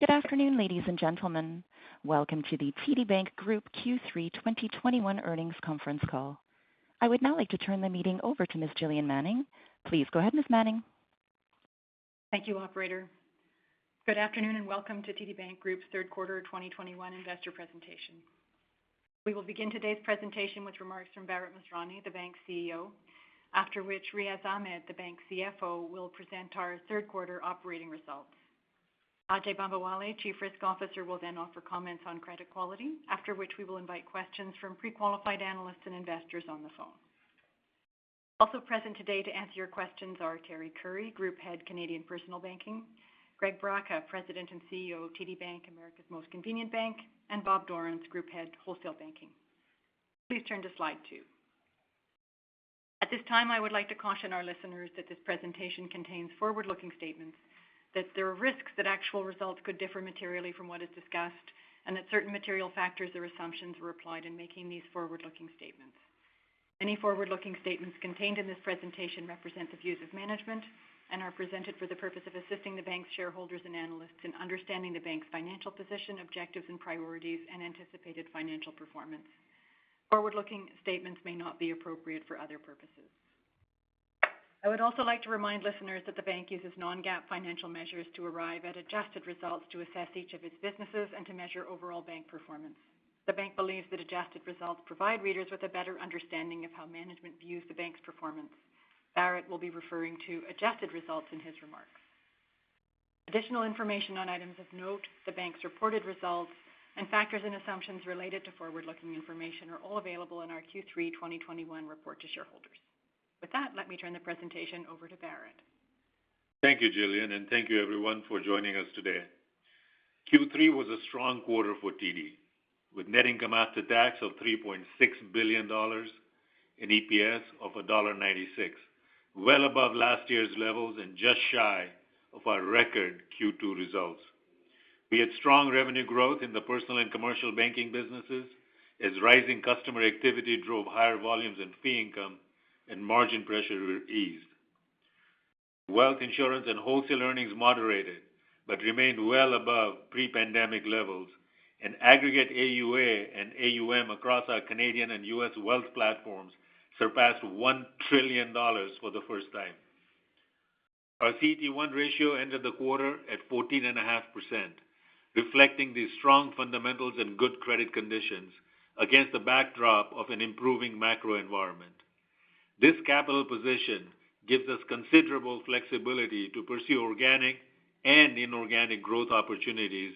Good afternoon, ladies and gentlemen. Welcome to the TD Bank Group Q3 2021 earnings conference call. I would now like to turn the meeting over to Ms. Gillian Manning. Please go ahead, Ms. Manning. Thank you, operator. Good afternoon, welcome to TD Bank Group's third quarter 2021 investor presentation. We will begin today's presentation with remarks from Bharat Masrani, the bank's CEO, after which Riaz Ahmed, the bank's CFO, will present our third quarter operating results. Ajai Bambawale, Chief Risk Officer, will offer comments on credit quality, after which we will invite questions from pre-qualified analysts and investors on the phone. Also present today to answer your questions are Teri Currie, Group Head, Canadian Personal Banking; Greg Braca, President and CEO, TD Bank, America's most convenient bank; and Bob Dorrance, Group Head, Wholesale Banking. Please turn to slide two. At this time, I would like to caution our listeners that this presentation contains forward-looking statements, that there are risks that actual results could differ materially from what is discussed, and that certain material factors or assumptions were applied in making these forward-looking statements. Any forward-looking statements contained in this presentation represent the views of management and are presented for the purpose of assisting the bank's shareholders and analysts in understanding the bank's financial position, objectives and priorities, and anticipated financial performance. Forward-looking statements may not be appropriate for other purposes. I would also like to remind listeners that the bank uses non-GAAP financial measures to arrive at adjusted results to assess each of its businesses and to measure overall bank performance. The bank believes that adjusted results provide readers with a better understanding of how management views the bank's performance. Bharat will be referring to adjusted results in his remarks. Additional information on items of note, the bank's reported results, and factors and assumptions related to forward-looking information are all available in our Q3 2021 report to shareholders. With that, let me turn the presentation over to Bharat. Thank you, Gillian, and thank you everyone for joining us today. Q3 was a strong quarter for TD, with net income after tax of 3.6 billion dollars and EPS of dollar 1.96, well above last year's levels and just shy of our record Q2 results. We had strong revenue growth in the Personal and Commercial Banking businesses as rising customer activity drove higher volumes and fee income, and margin pressure eased. Wealth, Insurance and Wholesale earnings moderated but remained well above pre-pandemic levels, and aggregate AUA and AUM across our Canadian and U.S. wealth platforms surpassed 1 trillion dollars for the first time. Our CET1 ratio ended the quarter at 14.5%, reflecting the strong fundamentals and good credit conditions against the backdrop of an improving macro environment. This capital position gives us considerable flexibility to pursue organic and inorganic growth opportunities,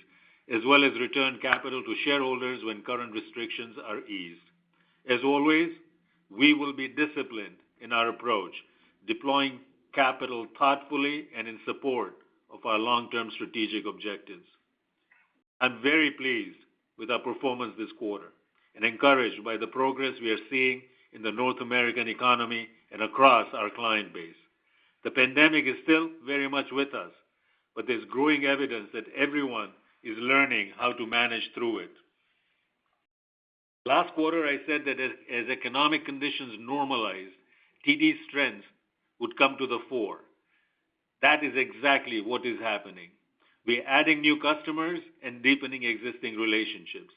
as well as return capital to shareholders when current restrictions are eased. As always, we will be disciplined in our approach, deploying capital thoughtfully and in support of our long-term strategic objectives. I'm very pleased with our performance this quarter and encouraged by the progress we are seeing in the North American economy and across our client base. The pandemic is still very much with us, but there's growing evidence that everyone is learning how to manage through it. Last quarter, I said that as economic conditions normalize, TD's strengths would come to the fore. That is exactly what is happening. We are adding new customers and deepening existing relationships,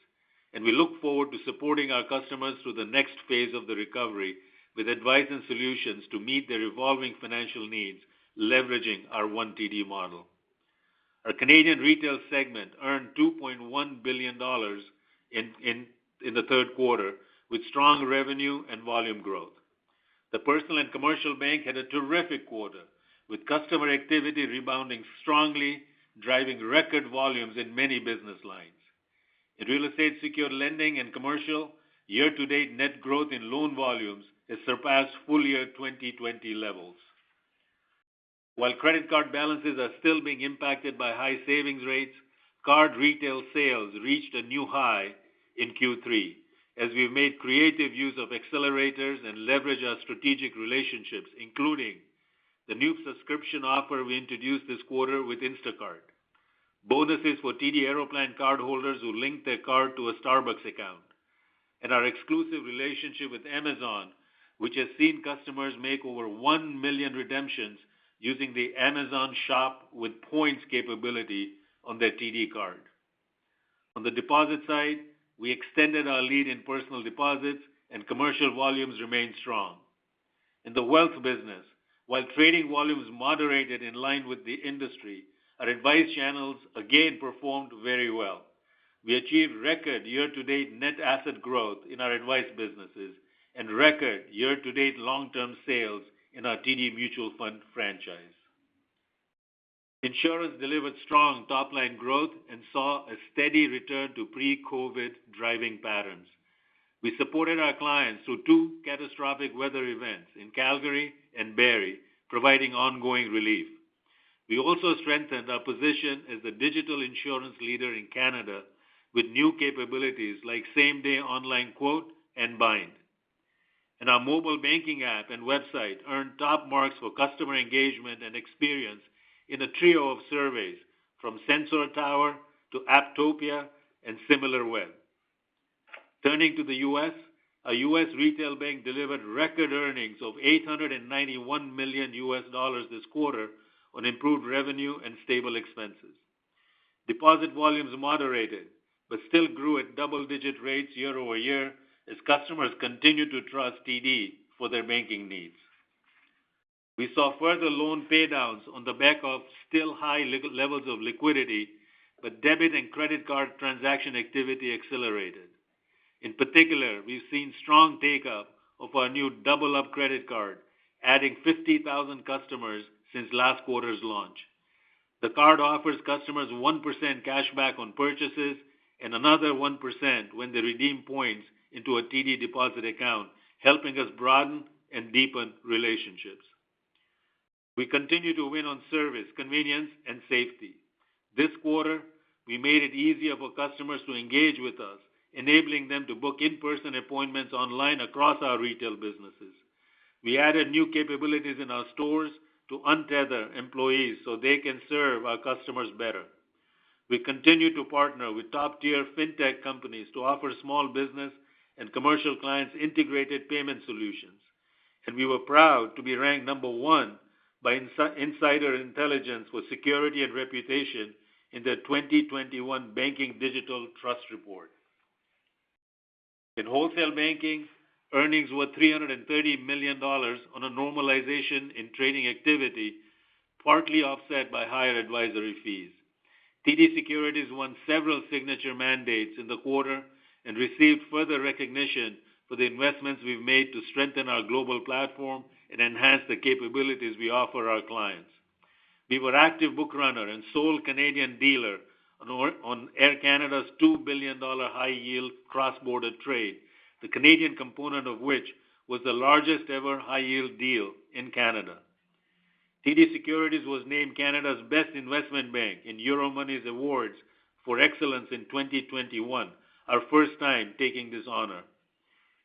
and we look forward to supporting our customers through the next phase of the recovery with advice and solutions to meet their evolving financial needs, leveraging our One TD model. Our Canadian Retail segment earned 2.1 billion dollars in the Q3, with strong revenue and volume growth. The Personal and Commercial Bank had a terrific quarter, with customer activity rebounding strongly, driving record volumes in many business lines. In real estate secured lending and commercial, year-to-date net growth in loan volumes has surpassed full-year 2020 levels. While credit card balances are still being impacted by high savings rates, card retail sales reached a new high in Q3 as we've made creative use of accelerators and leveraged our strategic relationships, including the new subscription offer we introduced this quarter with Instacart, bonuses for TD Aeroplan cardholders who link their card to a Starbucks account, and our exclusive relationship with Amazon, which has seen customers make over 1 million redemptions using the Amazon Shop with Points capability on their TD card. On the deposit side, we extended our lead in personal deposits, and commercial volumes remained strong. In the wealth business, while trading volumes moderated in line with the industry, our advice channels again performed very well. We achieved record year-to-date net asset growth in our advice businesses and record year-to-date long-term sales in our TD mutual fund franchise. Insurance delivered strong top-line growth and saw a steady return to pre-COVID driving patterns. We supported our clients through two catastrophic weather events in Calgary and Barrie, providing ongoing relief. We also strengthened our position as the digital insurance leader in Canada with new capabilities like same-day online quote and bind. Our mobile banking app and website earned top marks for customer engagement and experience in a trio of surveys, from Sensor Tower to Apptopia and Similarweb. Turning to the U.S., our U.S. Retail bank delivered record earnings of $891 million this quarter on improved revenue and stable expenses. Deposit volumes moderated, still grew at double-digit rates year-over-year as customers continued to trust TD for their banking needs. We saw further loan paydowns on the back of still high levels of liquidity, debit and credit card transaction activity accelerated. In particular, we've seen strong take-up of our new Double Up credit card, adding 50,000 customers since last quarter's launch. The card offers customers one percent cash back on purchases and another one percent when they redeem points into a TD deposit account, helping us broaden and deepen relationships. We continue to win on service, convenience, and safety. This quarter, we made it easier for customers to engage with us, enabling them to book in-person appointments online across our retail businesses. We added new capabilities in our stores to untether employees so they can serve our customers better. We continue to partner with top-tier fintech companies to offer small business and commercial clients integrated payment solutions. We were proud to be ranked number one by Insider Intelligence for security and reputation in their 2021 Banking Digital Trust Report. In Wholesale Banking, earnings were 330 million dollars on a normalization in trading activity, partly offset by higher advisory fees. TD Securities won several signature mandates in the quarter and received further recognition for the investments we've made to strengthen our global platform and enhance the capabilities we offer our clients. We were active book runner and sole Canadian dealer on Air Canada's 2 billion dollar high-yield cross-border trade, the Canadian component of which was the largest-ever high-yield deal in Canada. TD Securities was named Canada's best investment bank in Euromoney's Awards for Excellence in 2021, our first time taking this honor.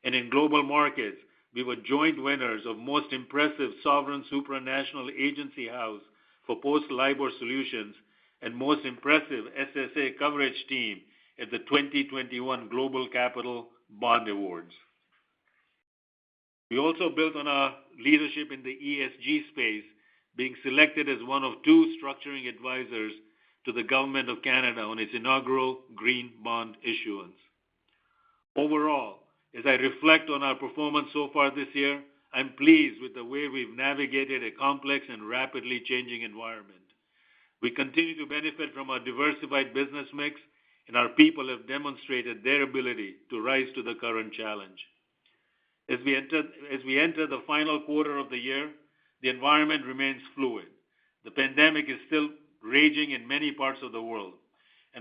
In global markets, we were joint winners of Most Impressive Sovereign/Supranational Agency House for post-LIBOR solutions and Most Impressive SSA Coverage Team at the 2021 GlobalCapital Bond Awards. We also built on our leadership in the ESG space, being selected as one of two structuring advisors to the Government of Canada on its inaugural green bond issuance. Overall, as I reflect on our performance so far this year, I'm pleased with the way we've navigated a complex and rapidly changing environment. We continue to benefit from our diversified business mix, and our people have demonstrated their ability to rise to the current challenge. As we enter the final quarter of the year, the environment remains fluid. The pandemic is still raging in many parts of the world.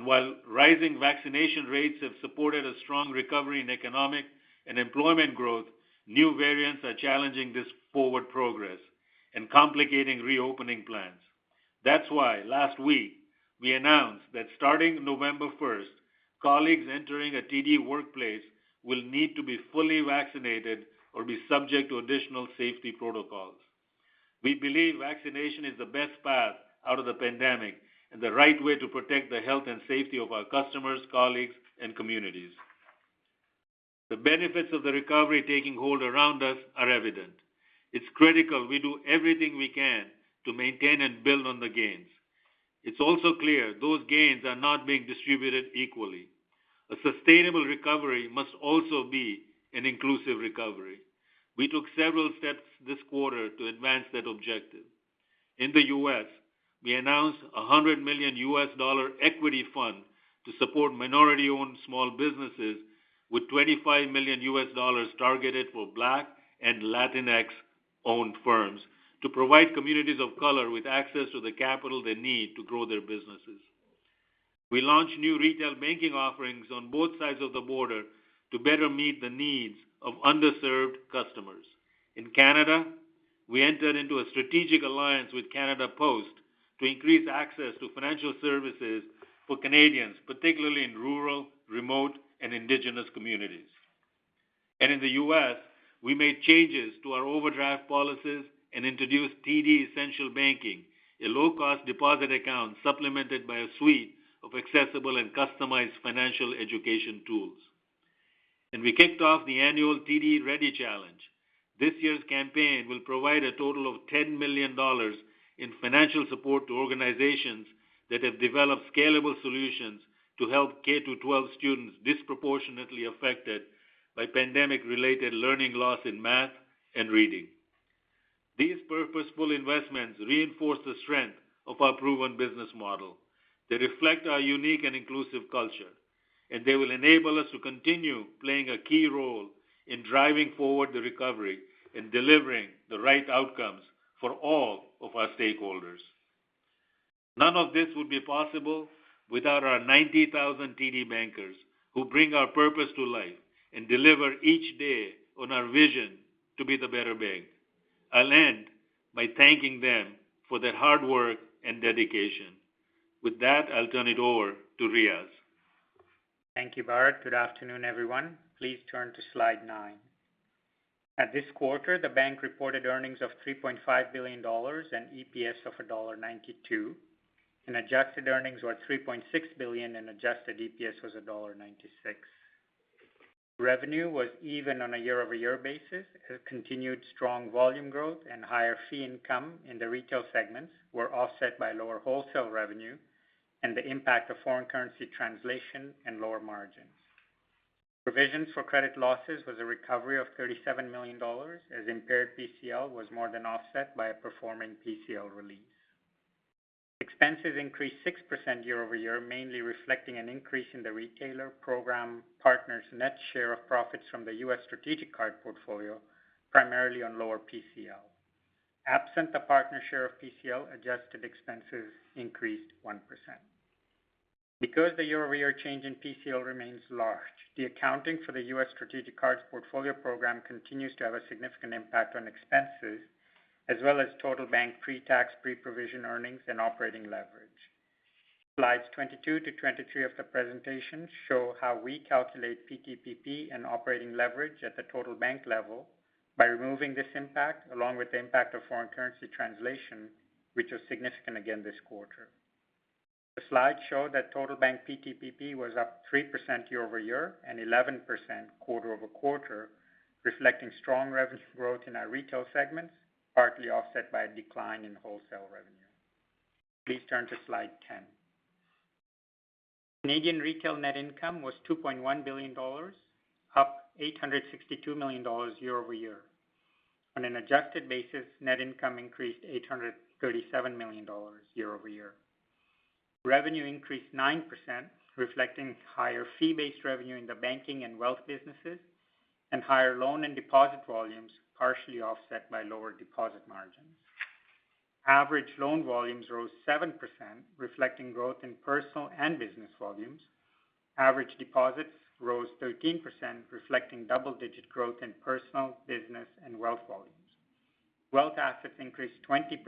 While rising vaccination rates have supported a strong recovery in economic and employment growth, new variants are challenging this forward progress and complicating reopening plans. That's why last week we announced that starting November 1st, colleagues entering a TD workplace will need to be fully vaccinated or be subject to additional safety protocols. We believe vaccination is the best path out of the pandemic and the right way to protect the health and safety of our customers, colleagues, and communities. The benefits of the recovery taking hold around us are evident. It's critical we do everything we can to maintain and build on the gains. It's also clear those gains are not being distributed equally. A sustainable recovery must also be an inclusive recovery. We took several steps this quarter to advance that objective. In the U.S., we announced $100 million equity fund to support minority-owned small businesses with $25 million targeted for Black and Latinx-owned firms to provide communities of color with access to the capital they need to grow their businesses. We launched new retail banking offerings on both sides of the border to better meet the needs of underserved customers. In Canada, we entered into a strategic alliance with Canada Post to increase access to financial services for Canadians, particularly in rural, remote, and indigenous communities. In the U.S., we made changes to our overdraft policies and introduced TD Essential Banking, a low-cost deposit account supplemented by a suite of accessible and customized financial education tools. We kicked off the annual TD Ready Challenge. This year's campaign will provide a total of 10 million dollars in financial support to organizations that have developed scalable solutions to help K-12 students disproportionately affected by pandemic-related learning loss in math and reading. These purposeful investments reinforce the strength of our proven business model. They reflect our unique and inclusive culture, and they will enable us to continue playing a key role in driving forward the recovery and delivering the right outcomes for all of our stakeholders. None of this would be possible without our 90,000 TD bankers who bring our purpose to life and deliver each day on our vision to be the better bank. I'll end by thanking them for their hard work and dedication. With that, I'll turn it over to Riaz. Thank you, Bharat. Good afternoon, everyone. Please turn to slide nine. This quarter, the bank reported earnings of 3.5 billion dollars and EPS of dollar 1.92, and adjusted earnings were 3.6 billion and adjusted EPS was dollar 1.96. Revenue was even on a year over year basis, as continued strong volume growth and higher fee income in the retail segments were offset by lower wholesale revenue and the impact of foreign currency translation and lower margins. Provisions for credit losses was a recovery of 37 million dollars, as impaired PCL was more than offset by a performing PCL release. Expenses increased six percent year-over-year, mainly reflecting an increase in the retailer program partners net share of profits from the U.S. strategic card portfolio, primarily on lower PCL. Absent the partner share of PCL, adjusted expenses increased one percent. The year-over-year change in PCL remains large, the accounting for the U.S. strategic cards portfolio program continues to have a significant impact on expenses as well as total bank pre-tax, pre-provision earnings and operating leverage. Slides 22-23 of the presentation show how we calculate PTPP and operating leverage at the total bank level by removing this impact along with the impact of foreign currency translation, which was significant again this quarter. The slides show that total bank PTPP was up three percent year-over-year and 11% quarter-over-quarter, reflecting strong revenue growth in our retail segments, partly offset by a decline in wholesale revenue. Please turn to Slide 10. Canadian retail net income was 2.1 billion dollars, up 862 million dollars year over year. On an adjusted basis, net income increased 837 million dollars year-over-year. Revenue increased nine percent, reflecting higher fee-based revenue in the banking and wealth businesses and higher loan and deposit volumes, partially offset by lower deposit margins. Average loan volumes rose seven percent, reflecting growth in personal and business volumes. Average deposits rose 13%, reflecting double-digit growth in personal, business, and wealth volumes. Wealth assets increased 20%,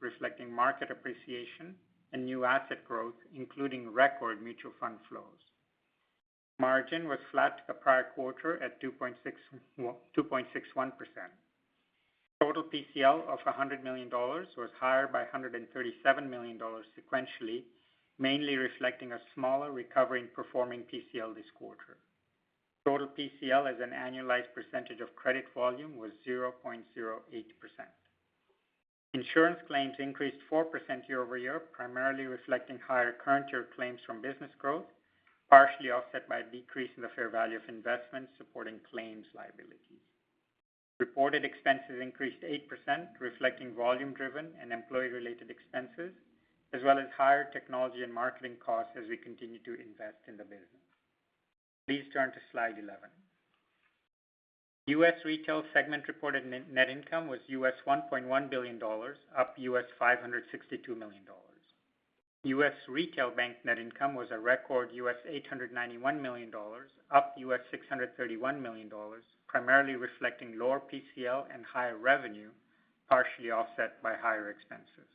reflecting market appreciation and new asset growth, including record mutual fund flows. Margin was flat to the prior quarter at 2.61%. Total PCL of 100 million dollars was higher by 137 million dollars sequentially, mainly reflecting a smaller recovery in performing PCL this quarter. Total PCL as an annualized percentage of credit volume was 0.08%. Insurance claims increased four percent year-over-year, primarily reflecting higher current year claims from business growth, partially offset by a decrease in the fair value of investments supporting claims liabilities. Reported expenses increased eight percent, reflecting volume-driven and employee-related expenses, as well as higher technology and marketing costs as we continue to invest in the business. Please turn to slide 11. U.S. Retail segment reported net income was US $1.1 billion, up US $562 million. U.S. Retail Bank net income was a record US $891 million, up US $631 million, primarily reflecting lower PCL and higher revenue, partially offset by higher expenses.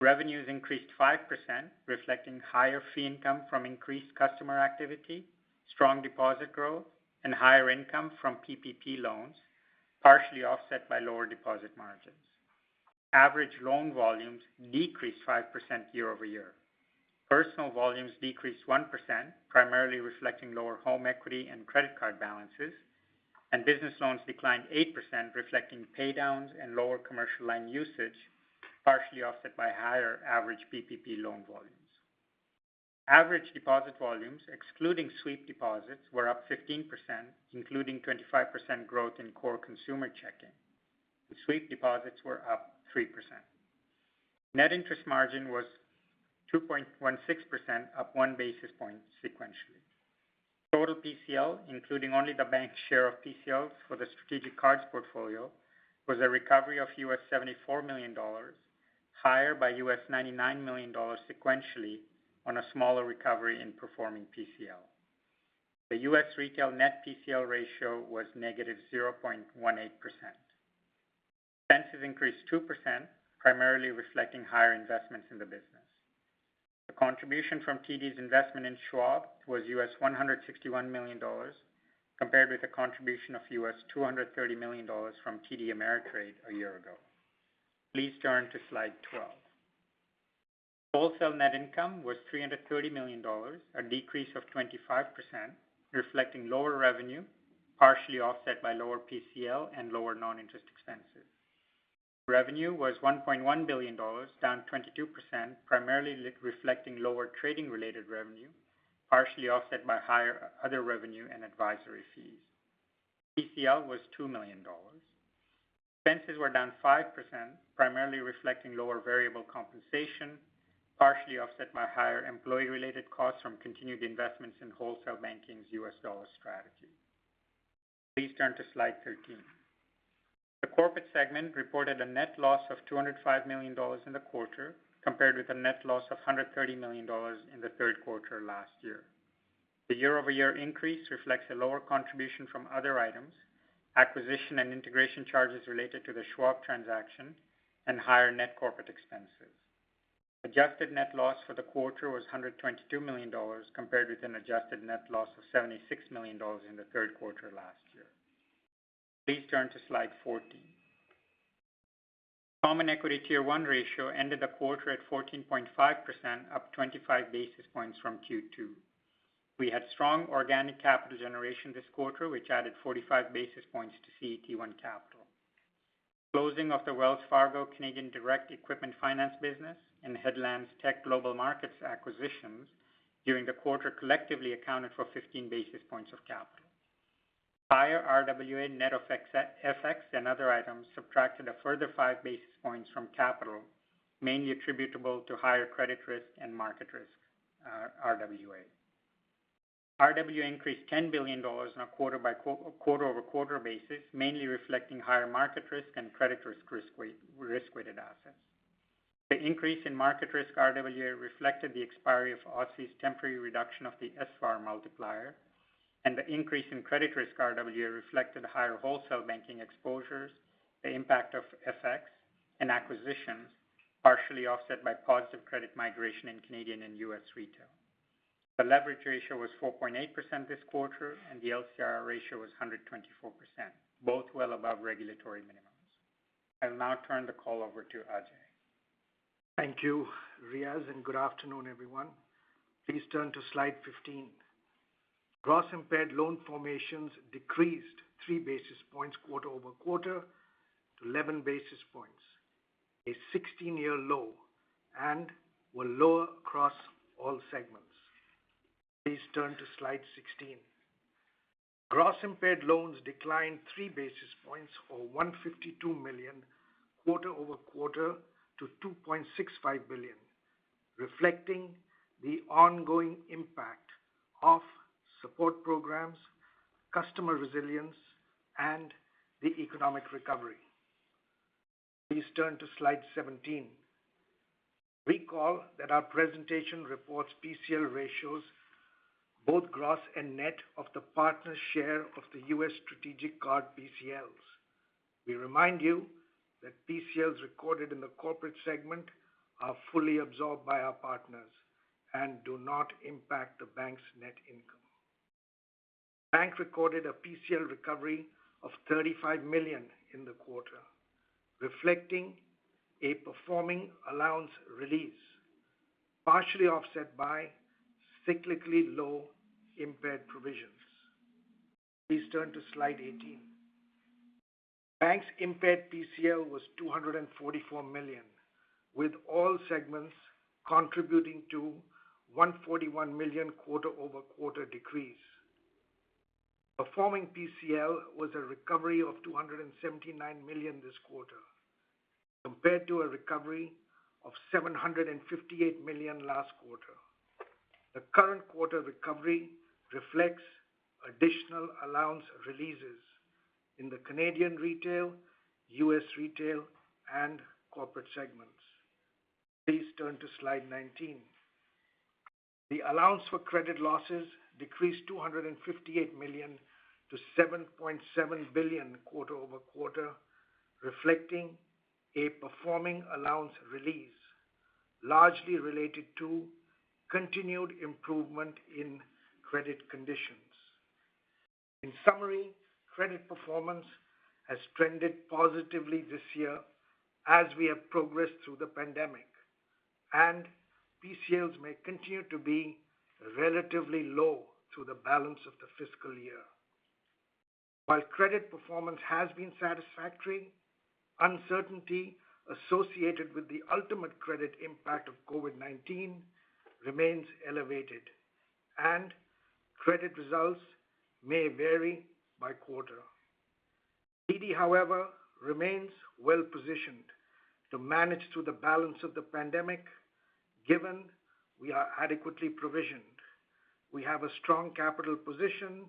Revenues increased five percent, reflecting higher fee income from increased customer activity, strong deposit growth, and higher income from PPP loans, partially offset by lower deposit margins. Average loan volumes decreased five percent year-over-year. Personal volumes decreased one percent, primarily reflecting lower home equity and credit card balances, and business loans declined eight percent, reflecting paydowns and lower commercial line usage, partially offset by higher average PPP loan volumes. Average deposit volumes excluding sweep deposits were up 15%, including 25% growth in core consumer checking. The sweep deposits were up three percent. Net interest margin was 2.16%, up one basis point sequentially. Total PCL, including only the bank share of PCLs for the strategic cards portfolio, was a recovery of US $74 million, higher by US $99 million sequentially on a smaller recovery in performing PCL. The U.S. Retail net PCL ratio was negative 0.18%. Expenses increased two percent, primarily reflecting higher investments in the business. The contribution from TD's investment in Schwab was US $161 million, compared with a contribution of US $230 million from TD Ameritrade a year ago. Please turn to slide 12. Wholesale net income was 330 million dollars, a decrease of 25%, reflecting lower revenue, partially offset by lower PCL and lower non-interest expenses. Revenue was 1.1 billion dollars, down 22%, primarily reflecting lower trading-related revenue, partially offset by higher other revenue and advisory fees. PCL was 2 million dollars. Expenses were down five percent, primarily reflecting lower variable compensation, partially offset by higher employee-related costs from continued investments in Wholesale Banking's U.S. dollar strategy. Please turn to slide 13. The Corporate segment reported a net loss of 205 million dollars in the quarter, compared with a net loss of 130 million dollars in the Q3 last year. The year-over-year increase reflects a lower contribution from other items, acquisition and integration charges related to the Schwab transaction, and higher net corporate expenses. Adjusted net loss for the quarter was 122 million dollars compared with an adjusted net loss of 76 million dollars in the Q3 last year. Please turn to Slide 14. Common Equity Tier one ratio ended the quarter at 14.5%, up 25 basis points from Q2. We had strong organic capital generation this quarter, which added 45 basis points to CET1 capital. Closing of the Wells Fargo Canadian direct equipment finance business and Headlands Tech Global Markets acquisitions during the quarter collectively accounted for 15 basis points of capital. Higher RWA net of FX and other items subtracted a further 5 basis points from capital, mainly attributable to higher credit risk and market risk RWA. RWA increased 10 billion dollars on a quarter-over-quarter basis, mainly reflecting higher market risk and credit risk-weighted assets. The increase in market risk RWA reflected the expiry of OSFI's temporary reduction of the SRR multiplier, and the increase in credit risk RWA reflected higher Wholesale Banking exposures, the impact of FX, and acquisitions partially offset by positive credit migration in Canadian and US retail. The leverage ratio was 4.8% this quarter, and the LCR ratio was 124%, both well above regulatory minimums. I'll now turn the call over to Ajai. Thank you, Riaz, and good afternoon, everyone. Please turn to Slide 15. Gross impaired loan formations decreased three basis points quarter-over-quarter to 11 basis points, a 16-year low, and were lower across all segments. Please turn to Slide 16. Gross impaired loans declined three basis points or 152 million quarter-over-quarter to 2.65 billion, reflecting the ongoing impact of support programs, customer resilience, and the economic recovery. Please turn to Slide 17. Recall that our presentation reports PCL ratios both gross and net of the partner's share of the U.S. strategic card PCLs. We remind you that PCLs recorded in the corporate segment are fully absorbed by our partners and do not impact the bank's net income. Bank recorded a PCL recovery of 35 million in the quarter, reflecting a performing allowance release, partially offset by cyclically low impaired provisions. Please turn to Slide 18. Bank's impaired PCL was 244 million, with all segments contributing to a 141 million quarter-over-quarter decrease. Performing PCL was a recovery of 279 million this quarter compared to a recovery of 758 million last quarter. The current quarter recovery reflects additional allowance releases in the Canadian retail, U.S. Retail, and corporate segments. Please turn to Slide 19. The allowance for credit losses decreased 258 million to 7.7 billion quarter-over-quarter, reflecting a performing allowance release largely related to continued improvement in credit conditions. In summary, credit performance has trended positively this year as we have progressed through the pandemic, and PCLs may continue to be relatively low through the balance of the fiscal year. While credit performance has been satisfactory, uncertainty associated with the ultimate credit impact of COVID-19 remains elevated, and credit results may vary by quarter. TD, however, remains well-positioned to manage through the balance of the pandemic, given we are adequately provisioned. We have a strong capital position,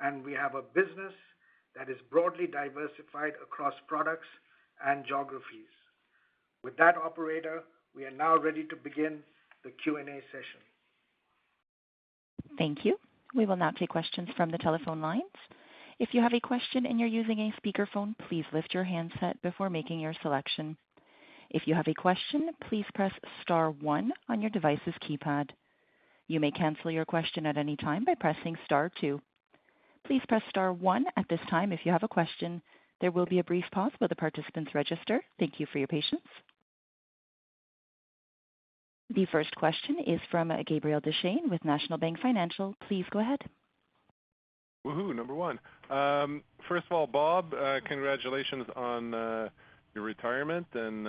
and we have a business that is broadly diversified across products and geographies. With that, operator, we are now ready to begin the Q&A session. Thank you. We will now take questions from the telephone lines. If you have a question and you're using a speakerphone, please lift your handset before making your selection. If you have a question, please press star one on your device's keypad. You may cancel your question at any time by pressing star two. Please press star one at this time if you have a question. There will be a brief pause while the participants register. Thank you for your patience. The first question is from Gabriel Dechaine with National Bank Financial. Please go ahead. Woo-hoo, number one. First of all, Bob, congratulations on your retirement and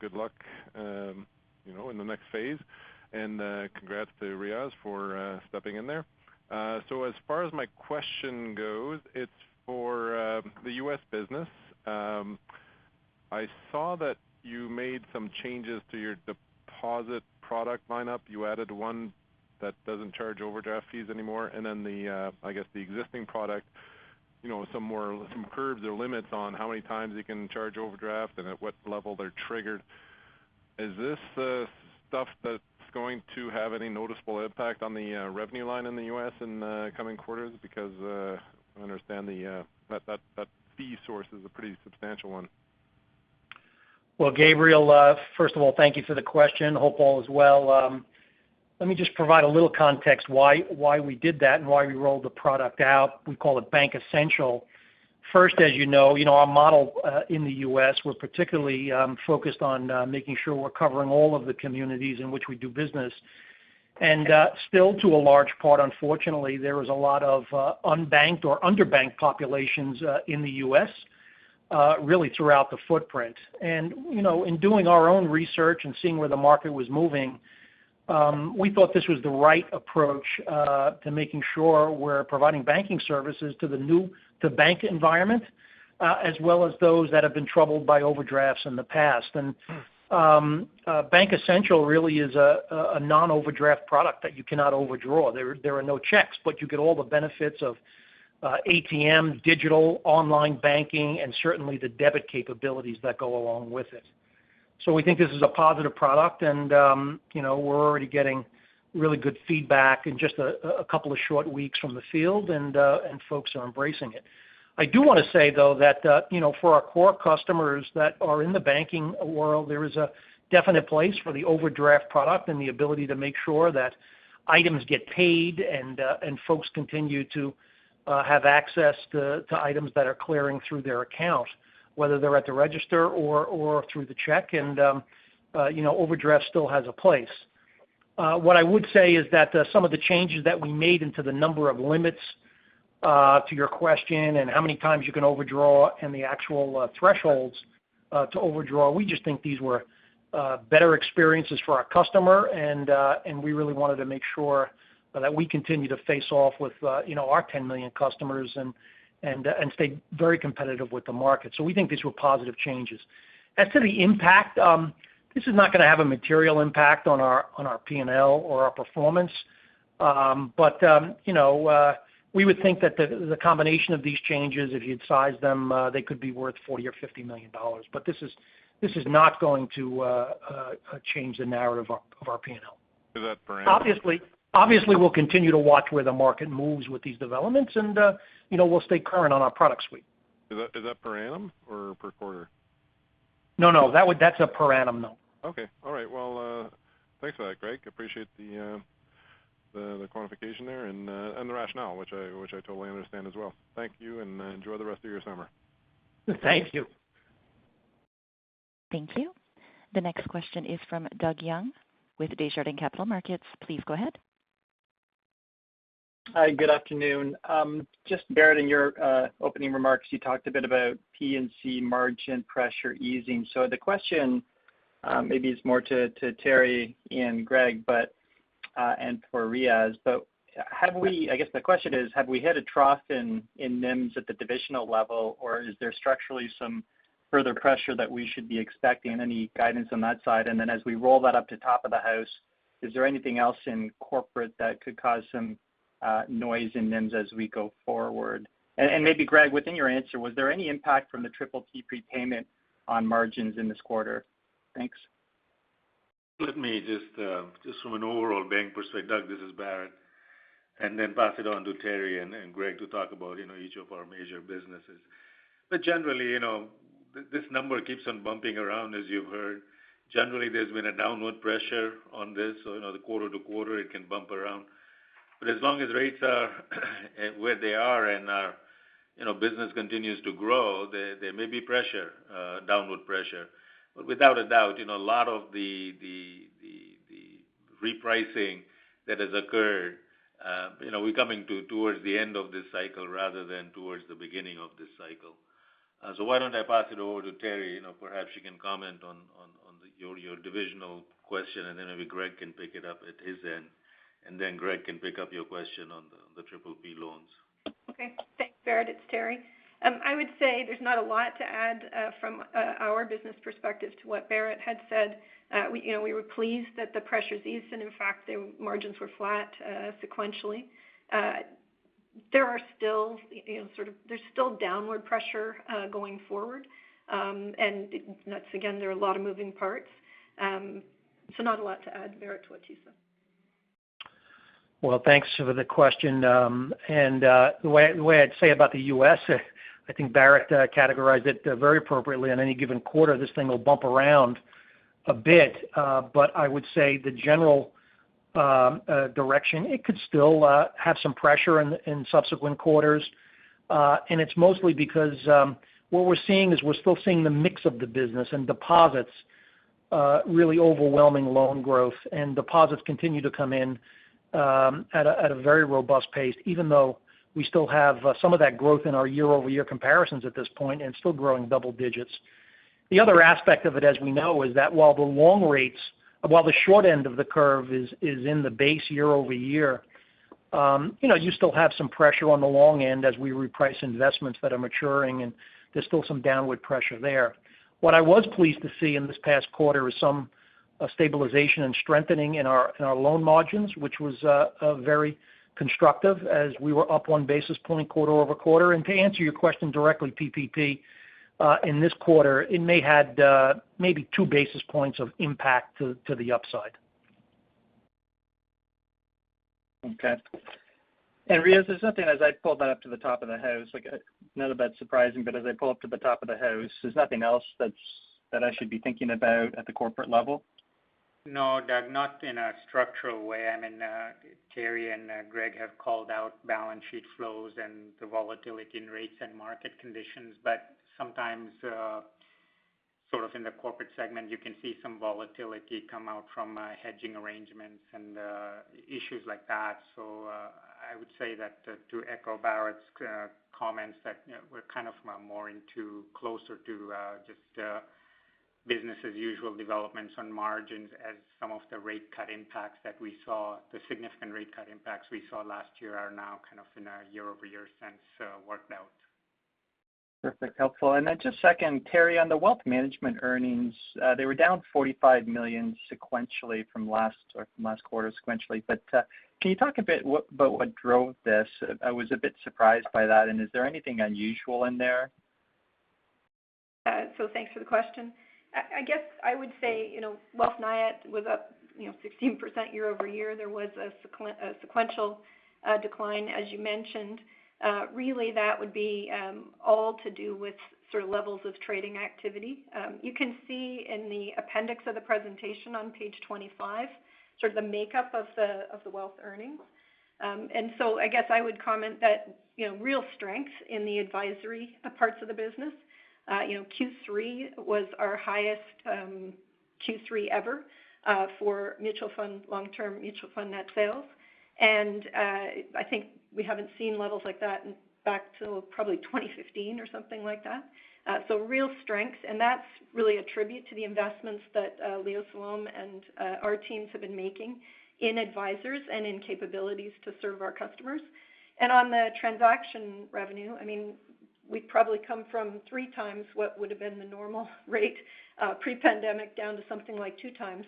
good luck in the next phase. Congrats to Riaz for stepping in there. As far as my question goes, it's for the U.S. business. I saw that you made some changes to your deposit product lineup. You added one that doesn't charge overdraft fees anymore, and then I guess the existing product some curves or limits on how many times you can charge overdraft and at what level they're triggered. Is this stuff that's going to have any noticeable impact on the revenue line in the U.S. in the coming quarters? I understand that fee source is a pretty substantial one. Well, Gabriel, first of all, thank you for the question. Hope all is well. Let me just provide a little context why we did that and why we rolled the product out. We call it TD Essential Banking. First, as you know, our model in the U.S., we're particularly focused on making sure we're covering all of the communities in which we do business. Still to a large part, unfortunately, there is a lot of unbanked or underbanked populations in the U.S. really throughout the footprint. In doing our own research and seeing where the market was moving, we thought this was the right approach to making sure we're providing banking services to the new-to-bank environment, as well as those that have been troubled by overdrafts in the past. TD Essential Banking really is a non-overdraft product that you cannot overdraw. There are no checks. You get all the benefits of ATM, digital, online banking, and certainly the debit capabilities that go along with it. We think this is a positive product and we're already getting really good feedback in just a couple of short weeks from the field and folks are embracing it. I do want to say, though, that for our core customers that are in the banking world, there is a definite place for the overdraft product and the ability to make sure that items get paid and folks continue to have access to items that are clearing through their account, whether they're at the register or through the check. Overdraft still has a place. What I would say is that some of the changes that we made into the number of limits to your question and how many times you can overdraw and the actual thresholds to overdraw, we just think these were better experiences for our customer and we really wanted to make sure that we continue to face off with our 10 million customers and stay very competitive with the market. We think these were positive changes. As to the impact, this is not going to have a material impact on our P&L or our performance. We would think that the combination of these changes, if you'd size them, they could be worth 40 million or 50 million dollars. This is not going to change the narrative of our P&L. Is that per annum? Obviously, we'll continue to watch where the market moves with these developments and we'll stay current on our product suite. Is that per annum or per quarter? No, that's a per annum number. Okay. All right. Well, thanks for that, Greg. Appreciate the quantification there and the rationale, which I totally understand as well. Thank you and enjoy the rest of your summer. Thank you. Thank you. The next question is from Doug Young with Desjardins Capital Markets. Please go ahead. Hi, good afternoon. Just, Bharat, in your opening remarks, you talked a bit about P&C margin pressure easing. The question maybe is more to Teri and Greg and for Riaz. I guess the question is, have we hit a trough in NIMs at the divisional level, or is there structurally some further pressure that we should be expecting? Any guidance on that side? As we roll that up to top of the house, is there anything else in corporate that could cause some noise in NIMs as we go forward? Maybe Greg, within your answer, was there any impact from the triple P prepayment on margins in this quarter? Thanks. Let me just from an overall bank perspective, Doug Young, this is Bharat Masrani, and then pass it on to Teri Currie and Greg Braca to talk about each of our major businesses. Generally, this number keeps on bumping around, as you've heard. Generally, there's been a downward pressure on this, so the quarter-to-quarter it can bump around. As long as rates are where they are and our business continues to grow, there may be pressure, downward pressure. Without a doubt, a lot of the repricing that has occurred, we're coming towards the end of this cycle rather than towards the beginning of this cycle. Why don't I pass it over to Teri Currie. Perhaps you can comment on your divisional question, and then maybe Greg Braca can pick it up at his end, and then Greg Braca can pick up your question on the triple B loans. Okay. Thanks, Bharat. It's Teri. I would say there's not a lot to add from our business perspective to what Bharat had said. We were pleased that the pressure's eased and in fact, the margins were flat sequentially. There's still downward pressure going forward. Once again, there are a lot of moving parts. Not a lot to add, Bharat, what you said. Well, thanks for the question. The way I'd say about the U.S., I think Bharat categorized it very appropriately. On any given quarter, this thing will bump around a bit. I would say the general direction, it could still have some pressure in subsequent quarters. It's mostly because what we're seeing is we're still seeing the mix of the business and deposits really overwhelming loan growth. Deposits continue to come in at a very robust pace, even though we still have some of that growth in our year-over-year comparisons at this point and still growing double digits. The other aspect of it, as we know, is that while the long rates, while the short end of the curve is in the base year-over-year, you still have some pressure on the long end as we reprice investments that are maturing and there's still some downward pressure there. What I was pleased to see in this past quarter is some stabilization and strengthening in our loan margins, which was very constructive as we were up one basis point quarter-over-quarter. To answer your question directly, PPP, in this quarter, it may had maybe two basis points of impact to the upside. Okay. Riaz, there's nothing as I pull that up to the top of the house, none of that's surprising, but as I pull up to the top of the house, there's nothing else that I should be thinking about at the corporate level? No, Doug, not in a structural way. I mean, Teri and Greg have called out balance sheet flows and the volatility in rates and market conditions. Sometimes, in the corporate segment, you can see some volatility come out from hedging arrangements and issues like that. I would say that to echo Bharat's comments that we're kind of more closer to just business as usual developments on margins as some of the significant rate cut impacts we saw last year are now in a year-over-year sense worked out. Perfect. Helpful. Just second, Teri, on the Wealth Management earnings, they were down 45 million sequentially from last quarter, can you talk a bit about what drove this? I was a bit surprised by that. Is there anything unusual in there? Thanks for the question. I guess I would say, Wealth NIAT was up 16% year over year. There was a sequential decline, as you mentioned. Really that would be all to do with levels of trading activity. You can see in the appendix of the presentation on page 25, the makeup of the wealth earnings. I guess I would comment that real strength in the advisory parts of the business, Q3 was our highest Q3 ever for long-term mutual fund net sales. I think we haven't seen levels like that back till probably 2015 or something like that. Real strength, and that's really a tribute to the investments that Leo Salom and our teams have been making in advisors and in capabilities to serve our customers. On the transaction revenue, we've probably come from 3x what would've been the normal rate pre-pandemic down to something like 2x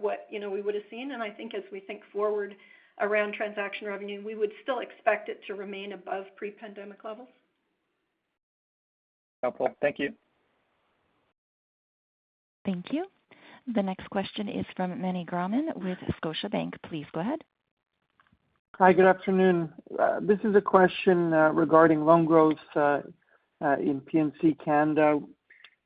what we would've seen. I think as we think forward around transaction revenue, we would still expect it to remain above pre-pandemic levels. Helpful. Thank you. Thank you. The next question is from Meny Grauman with Scotiabank. Please go ahead. Hi, good afternoon. This is a question regarding loan growth in P&C Canada.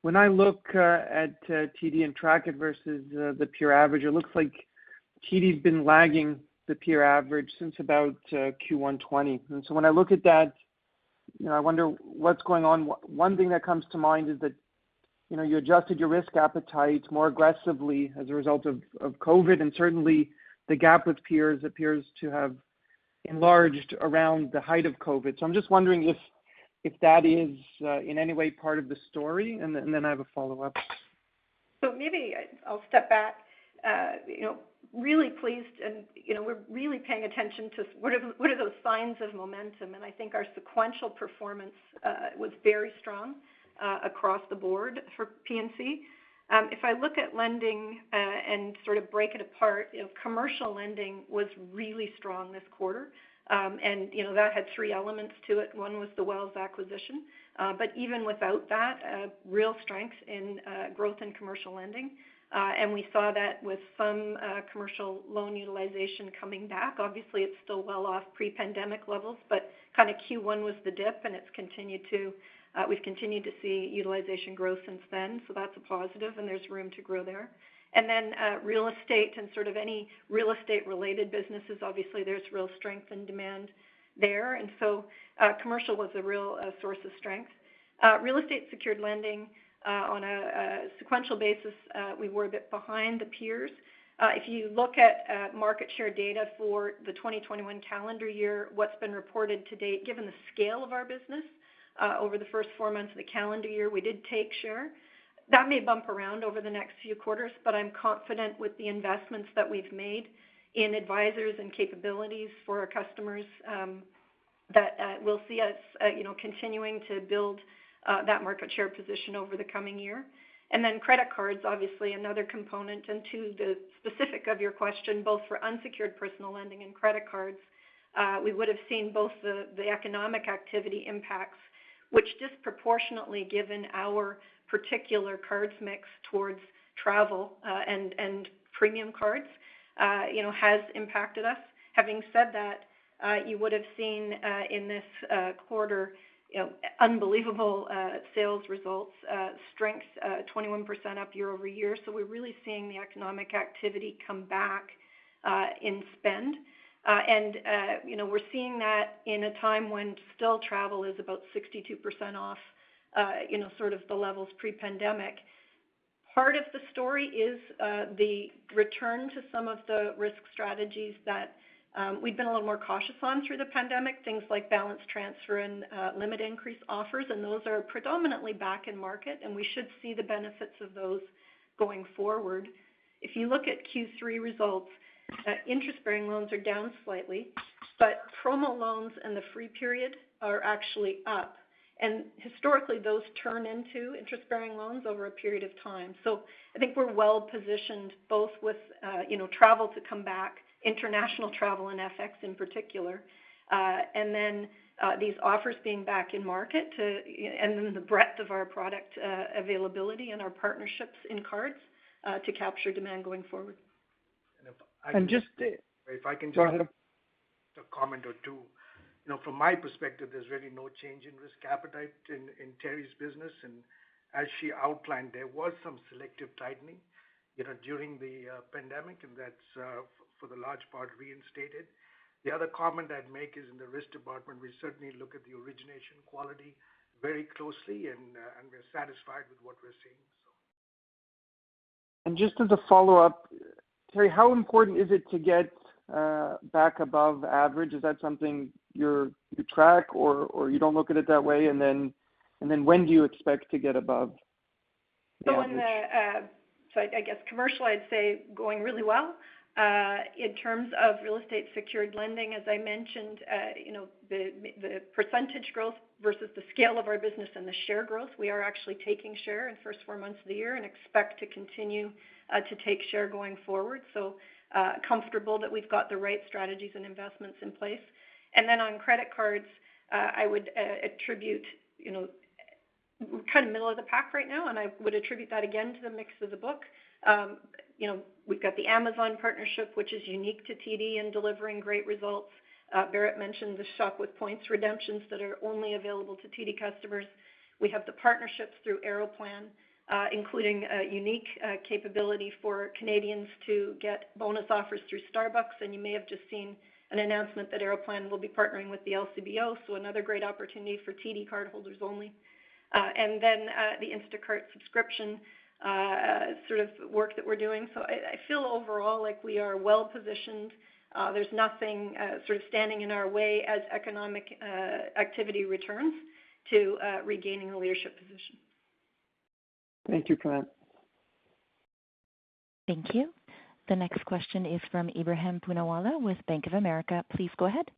When I look at TD and Tracked versus the peer average, it looks like TD's been lagging the peer average since about Q1 2020. When I look at that, I wonder what's going on. One thing that comes to mind is that you adjusted your risk appetite more aggressively as a result of COVID, and certainly the gap with peers appears to have enlarged around the height of COVID. I'm just wondering if that is in any way part of the story, and then I have a follow-up. Maybe I'll step back. Really pleased, and we're really paying attention to what are those signs of momentum, and I think our sequential performance was very strong across the board for P&C. If I look at lending and break it apart, commercial lending was really strong this quarter. That had three elements to it. one was the Wells acquisition. Even without that, real strength in growth in commercial lending. We saw that with some commercial loan utilization coming back. Obviously, it's still well off pre-pandemic levels, but Q1 was the dip, and we've continued to see utilization growth since then, so that's a positive, and there's room to grow there. Then real estate and any real estate-related businesses, obviously there's real strength in demand there. Commercial was a real source of strength. Real estate secured lending on a sequential basis, we were a bit behind the peers. If you look at market share data for the 2021 calendar year, what's been reported to date, given the scale of our business, over the first four months of the calendar year, we did take share. That may bump around over the next few quarters, but I'm confident with the investments that we've made in advisors and capabilities for our customers that will see us continuing to build that market share position over the coming year. Credit cards, obviously another component. To the specific of your question, both for unsecured personal lending and credit cards, we would've seen both the economic activity impacts, which disproportionately given our particular cards mix towards travel and premium cards has impacted us. Having said that, you would've seen in this quarter unbelievable sales results strengths 21% up year over year. We're really seeing the economic activity come back in spend. We're seeing that in a time when still travel is about 62% off the levels pre-pandemic. Part of the story is the return to some of the risk strategies that we've been a little more cautious on through the pandemic, things like balance transfer and limit increase offers, and those are predominantly back in market, and we should see the benefits of those going forward. If you look at Q3 results, interest-bearing loans are down slightly, but promo loans and the free period are actually up. Historically, those turn into interest-bearing loans over a period of time. I think we're well-positioned both with travel to come back, international travel and FX in particular, and then these offers being back in market and then the breadth of our product availability and our partnerships in cards to capture demand going forward. And just- If I can just- Go ahead. comment or two. From my perspective, there's really no change in risk appetite in Teri's business. As she outlined, there was some selective tightening during the pandemic, and that's for the large part reinstated. The other comment I'd make is in the risk department, we certainly look at the origination quality very closely, and we're satisfied with what we're seeing. Just as a follow-up, Teri Currie, how important is it to get back above average? Is that something you track or you don't look at it that way? When do you expect to get above average? I guess commercial, I'd say going really well. In terms of real estate secured lending, as I mentioned, the percentage growth versus the scale of our business and the share growth, we are actually taking share in the first four months of the year and expect to continue to take share going forward. Comfortable that we've got the right strategies and investments in place. On credit cards, I would attribute kind of middle of the pack right now, and I would attribute that again to the mix of the book. We've got the Amazon partnership, which is unique to TD in delivering great results. Bharat mentioned the shock with points redemptions that are only available to TD customers. We have the partnerships through Aeroplan, including a unique capability for Canadians to get bonus offers through Starbucks. You may have just seen an announcement that Aeroplan will be partnering with the LCBO, another great opportunity for TD cardholders only. The Instacart subscription sort of work that we're doing. I feel overall like we are well positioned. There's nothing sort of standing in our way as economic activity returns to regaining a leadership position. Thank you, Grant. Thank you. The next question is from Ebrahim Poonawala with Bank of America. Please go ahead.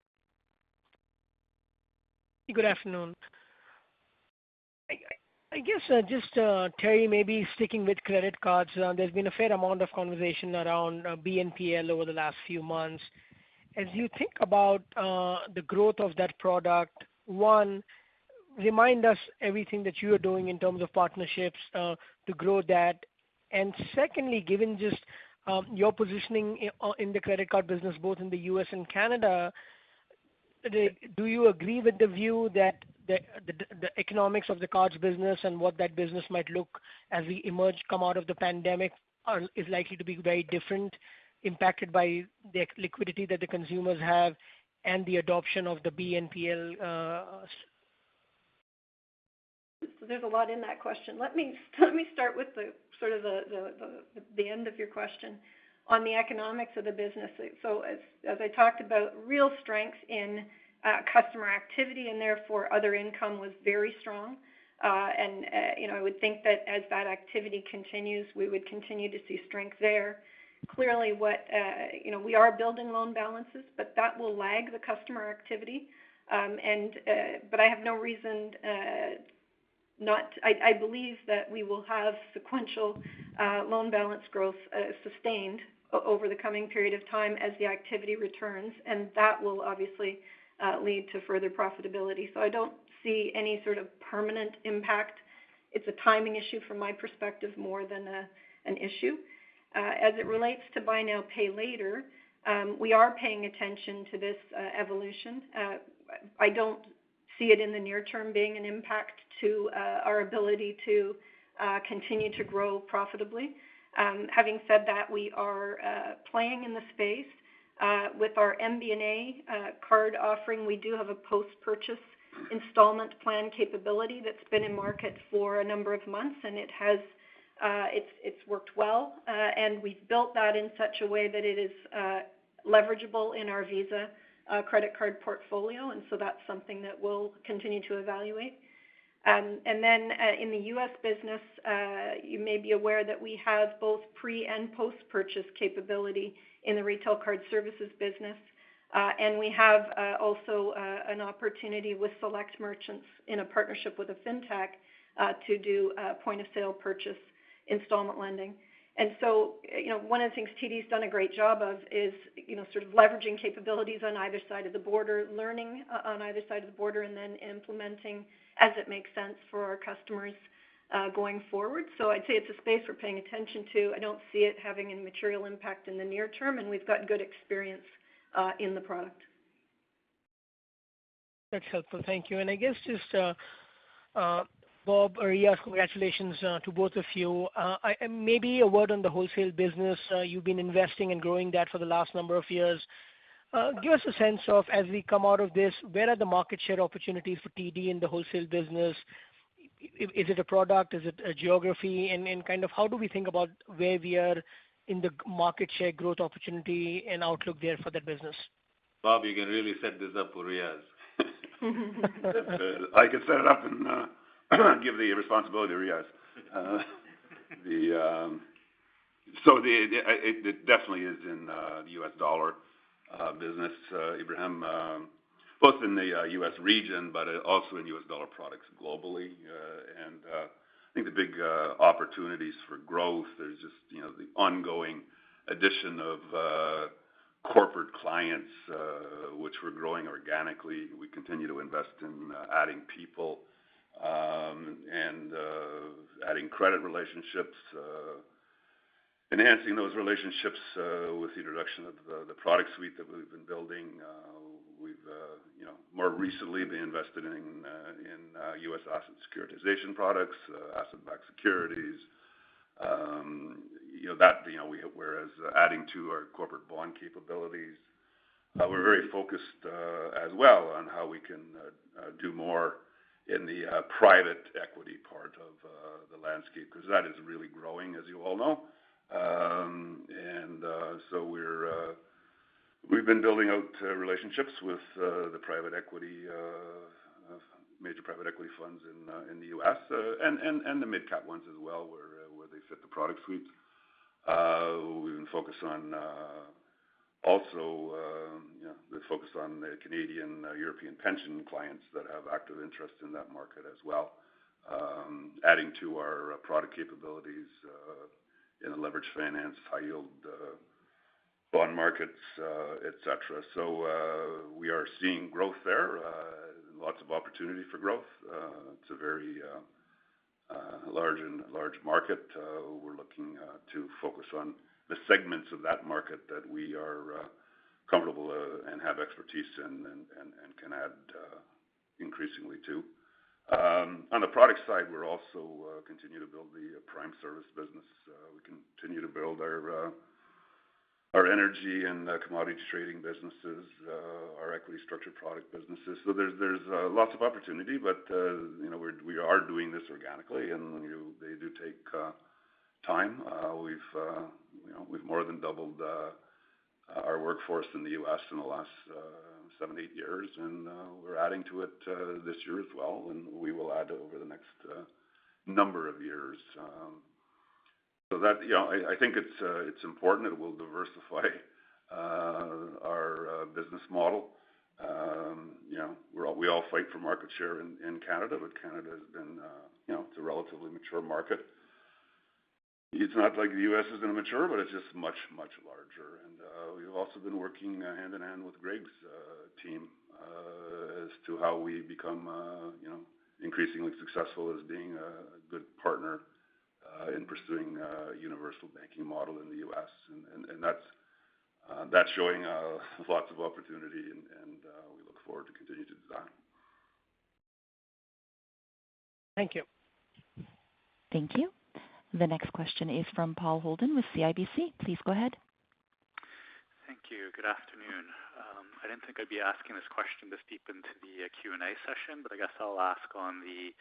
Good afternoon. I guess just, Teri, maybe sticking with credit cards, there's been a fair amount of conversation around BNPL over the last few months. As you think about the growth of that product, one, remind us everything that you are doing in terms of partnerships to grow that. Secondly, given just your positioning in the credit card business both in the U.S. and Canada, do you agree with the view that the economics of the cards business and what that business might look as we emerge, come out of the pandemic is likely to be very different, impacted by the liquidity that the consumers have and the adoption of the BNPL? There's a lot in that question. Let me start with the end of your question on the economics of the business. As I talked about real strength in customer activity, and therefore other income was very strong. I would think that as that activity continues, we would continue to see strength there. Clearly we are building loan balances, but that will lag the customer activity. I have no reason I believe that we will have sequential loan balance growth sustained over the coming period of time as the activity returns, and that will obviously lead to further profitability. I don't see any sort of permanent impact. It's a timing issue from my perspective, more than an issue. As it relates to buy now, pay later, we are paying attention to this evolution. I don't see it in the near term being an impact to our ability to continue to grow profitably. Having said that, we are playing in the space, with our MBNA card offering. We do have a post-purchase installment plan capability that's been in market for a number of months, and it's worked well. We've built that in such a way that it is leverageable in our Visa credit card portfolio, and so that's something that we'll continue to evaluate. In the U.S. business, you may be aware that we have both pre- and post-purchase capability in the retail card services business. We have also an opportunity with select merchants in a partnership with a fintech to do point of sale purchase installment lending. One of the things TD's done a great job of is sort of leveraging capabilities on either side of the border, learning on either side of the border, and then implementing as it makes sense for our customers going forward. I'd say it's a space we're paying attention to. I don't see it having any material impact in the near term, and we've got good experience in the product. That's helpful. Thank you. I guess just, Bob or Riaz, congratulations to both of you. Maybe a word on the Wholesale Banking business. You've been investing and growing that for the last number of years. Give us a sense of as we come out of this, where are the market share opportunities for TD in the Wholesale Banking business? Is it a product? Is it a geography? Kind of how do we think about where we are in the market share growth opportunity and outlook there for that business? Bob, you can really set this up for Riaz Ahmed. I can set it up and give the responsibility to Riaz Ahmed. It definitely is in the U.S. dollar business, Ebrahim Poonawala, both in the U.S. region, but also in U.S. dollar products globally. I think the big opportunities for growth, there's just the ongoing addition of corporate clients, which we're growing organically. We continue to invest in adding people and adding credit relationships, enhancing those relationships with the introduction of the product suite that we've been building. We've more recently been invested in U.S. asset securitization products, asset-backed securities. We're adding to our corporate bond capabilities. We're very focused as well on how we can do more in the private equity part of the landscape, because that is really growing, as you all know. We've been building out relationships with the major private equity funds in the U.S., and the mid-cap ones as well, where they fit the product suites. We've been focused on the Canadian European pension clients that have active interest in that market as well, adding to our product capabilities in the leveraged finance, high yield bond markets, et cetera. We are seeing growth there. Lots of opportunity for growth. It's a very large market. We're looking to focus on the segments of that market that we are comfortable and have expertise in and can add increasingly to. On the product side, we'll also continue to build the prime service business. We continue to build our energy and commodities trading businesses, our equity structured product businesses. There's lots of opportunity, but we are doing this organically, and they do take time. We've more than doubled our workforce in the U.S. in the last seven, eight years, and we're adding to it this year as well, and we will add over the next number of years. I think it's important. It will diversify our business model. We all fight for market share in Canada, but Canada it's a relatively mature market. It's not like the U.S. is immature, but it's just much, much larger. We've also been working hand-in-hand with Greg's team as to how we become increasingly successful as being a good partner in pursuing a universal banking model in the U.S. That's showing lots of opportunity and we look forward to continue to do that. Thank you. Thank you. The next question is from Paul Holden with CIBC. Please go ahead. Thank you. Good afternoon. I didn't think I'd be asking this question this deep into the Q&A session. I guess I'll ask on the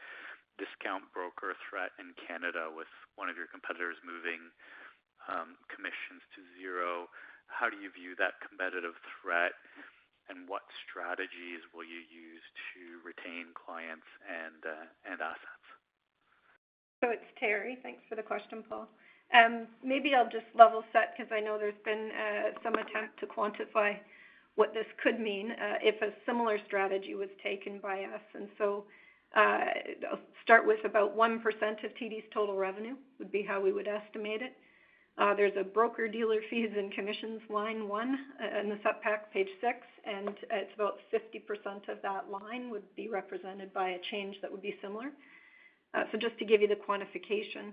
discount broker threat in Canada with one of your competitors moving commissions to zero, how do you view that competitive threat and what strategies will you use to retain clients and assets? It's Teri. Thanks for the question, Paul. Maybe I'll just level set because I know there's been some attempt to quantify what this could mean if a similar strategy was taken by us. I'll start with about one percent of TD's total revenue would be how we would estimate it. There's a broker dealer fees and commissions line one in the sup pack, page six, and it's about 50% of that line would be represented by a change that would be similar. Just to give you the quantification.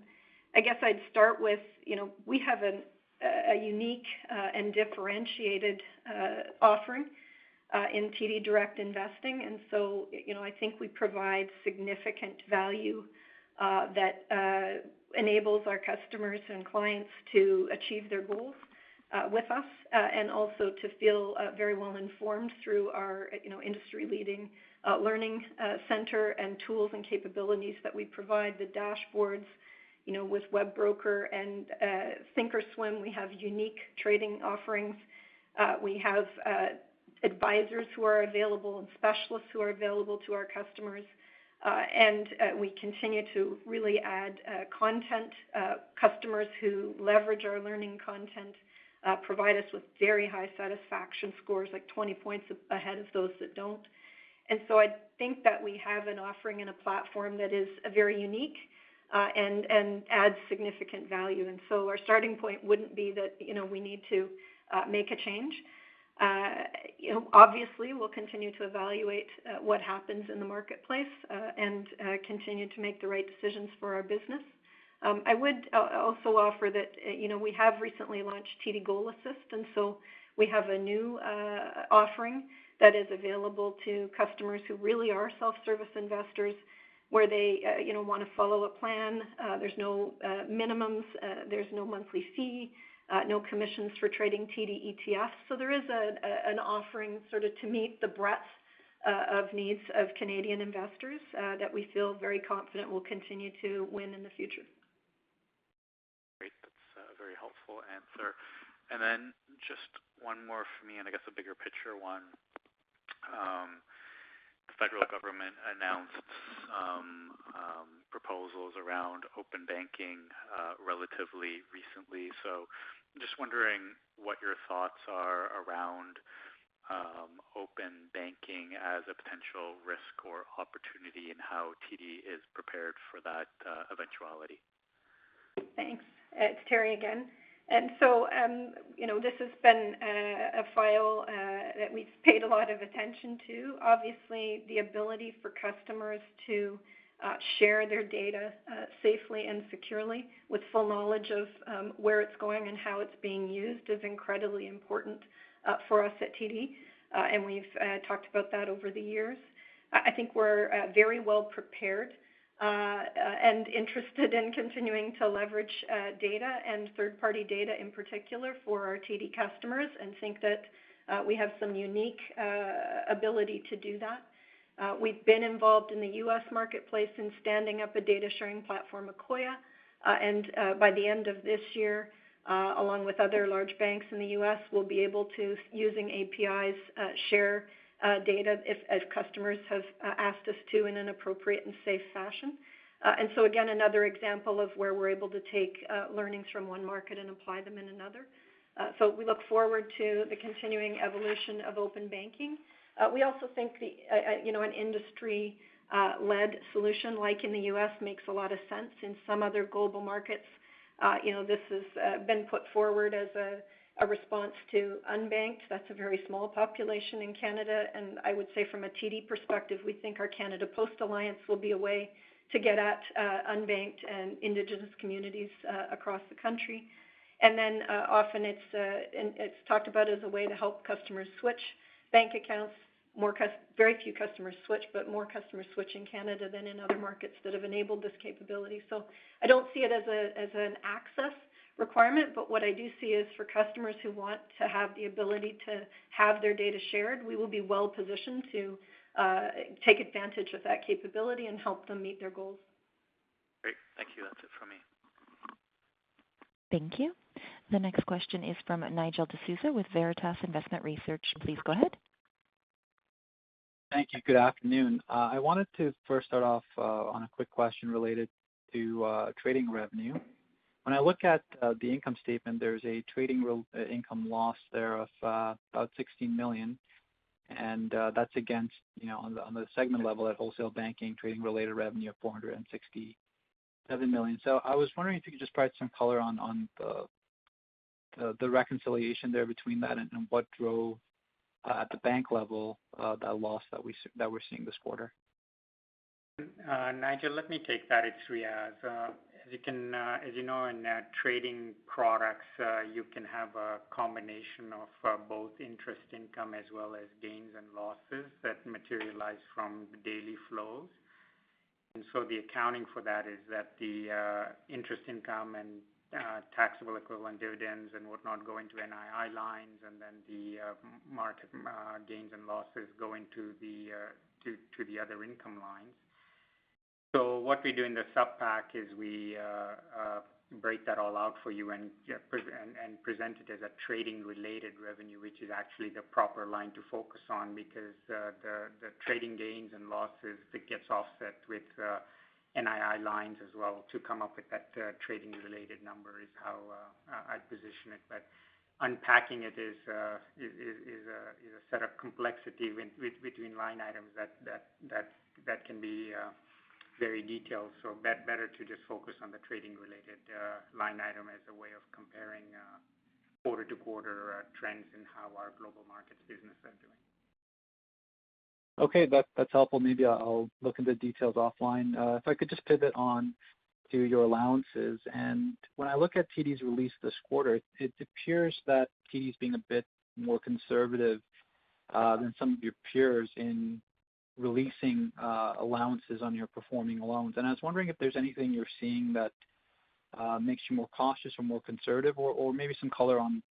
I guess I'd start with, we have a unique and differentiated offering in TD Direct Investing, I think we provide significant value that enables our customers and clients to achieve their goals with us. Also to feel very well-informed through our industry-leading learning center and tools and capabilities that we provide, the dashboards with WebBroker and Thinkorswim. We have unique trading offerings. We have advisors who are available and specialists who are available to our customers. We continue to really add content. Customers who leverage our learning content provide us with very high satisfaction scores, like 20 points ahead of those that don't. So I think that we have an offering and a platform that is very unique and adds significant value. So our starting point wouldn't be that we need to make a change. Obviously, we'll continue to evaluate what happens in the marketplace, and continue to make the right decisions for our business. I would also offer that we have recently launched TD GoalAssist, and so we have a new offering that is available to customers who really are self-service investors, where they want to follow a plan. There's no minimums, there's no monthly fee, no commissions for trading TD ETFs. There is an offering sort of to meet the breadth of needs of Canadian investors that we feel very confident will continue to win in the future. Great. That's a very helpful answer. Just one more from me, and I guess a bigger picture one. The federal government announced proposals around open banking relatively recently. Just wondering what your thoughts are around open banking as a potential risk or opportunity, and how TD is prepared for that eventuality. Thanks. It's Teri again. This has been a file that we've paid a lot of attention to. Obviously, the ability for customers to share their data safely and securely with full knowledge of where it's going and how it's being used is incredibly important for us at TD, and we've talked about that over the years. I think we're very well prepared and interested in continuing to leverage data and third-party data, in particular for our TD customers, and think that we have some unique ability to do that. We've been involved in the U.S. marketplace in standing up a data-sharing platform, Akoya, and by the end of this year, along with other large banks in the U.S., we'll be able to, using APIs, share data if customers have asked us to in an appropriate and safe fashion. Again, another example of where we're able to take learnings from one market and apply them in another. We look forward to the continuing evolution of open banking. We also think an industry-led solution, like in the U.S., makes a lot of sense. In some other global markets this has been put forward as a response to unbanked. That's a very small population in Canada, and I would say from a TD perspective, we think our Canada Post alliance will be a way to get at unbanked and indigenous communities across the country. Often it's talked about as a way to help customers switch bank accounts. Very few customers switch, more customers switch in Canada than in other markets that have enabled this capability. I don't see it as an access requirement, but what I do see is for customers who want to have the ability to have their data shared, we will be well-positioned to take advantage of that capability and help them meet their goals. Great. Thank you. That's it from me. Thank you. The next question is from Nigel D'Souza with Veritas Investment Research. Please go ahead. Thank you. Good afternoon. I wanted to first start off on a quick question related to trading revenue. When I look at the income statement, there's a trading income loss there of about 16 million, and that's against on the segment level at Wholesale Banking, trading-related revenue of 467 million. I was wondering if you could just provide some color on the reconciliation there between that and what drove at the bank level that loss that we're seeing this quarter. Nigel, let me take that. It's Riaz. As you know, in trading products, you can have a combination of both interest income as well as gains and losses that materialize from daily flows. The accounting for that is that the interest income and taxable equivalent dividends and whatnot go into NII lines, and then the market gains and losses go into the other income lines. What we do in the sup pack is we break that all out for you and present it as a trading-related revenue, which is actually the proper line to focus on because the trading gains and losses, it gets offset with NII lines as well to come up with that trading related number is how I position it. Unpacking it is a set of complexity between line items that can be very detailed. Better to just focus on the trading-related line item as a way of comparing quarter to quarter trends and how our Global Markets Business are doing. Okay. That's helpful. Maybe I'll look at the details offline. If I could just pivot on to your allowances. When I look at TD's release this quarter, it appears that TD's being a bit more conservative than some of your peers in releasing allowances on your performing loans. I was wondering if there's anything you're seeing that makes you more cautious or more conservative, or maybe some color on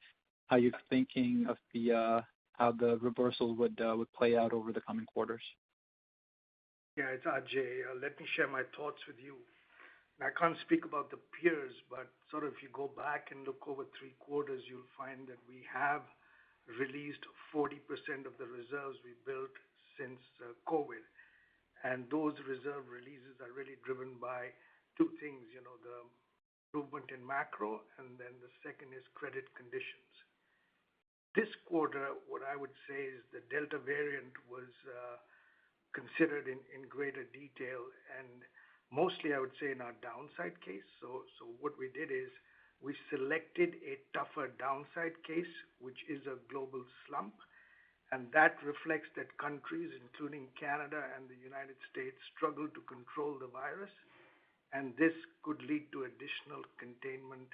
how you're thinking of how the reversals would play out over the coming quarters. Yeah, it's Ajai. Let me share my thoughts with you. I can't speak about the peers, but sort of if you go back and look over Q3, you'll find that we have released 40% of the reserves we built since COVID. Those reserve releases are really driven by two things, the improvement in macro, and then the second is credit conditions. This quarter, what I would say is the Delta variant was considered in greater detail, and mostly I would say in our downside case. What we did is we selected a tougher downside case, which is a global slump, and that reflects that countries including Canada and the U.S. struggle to control the virus, and this could lead to additional containment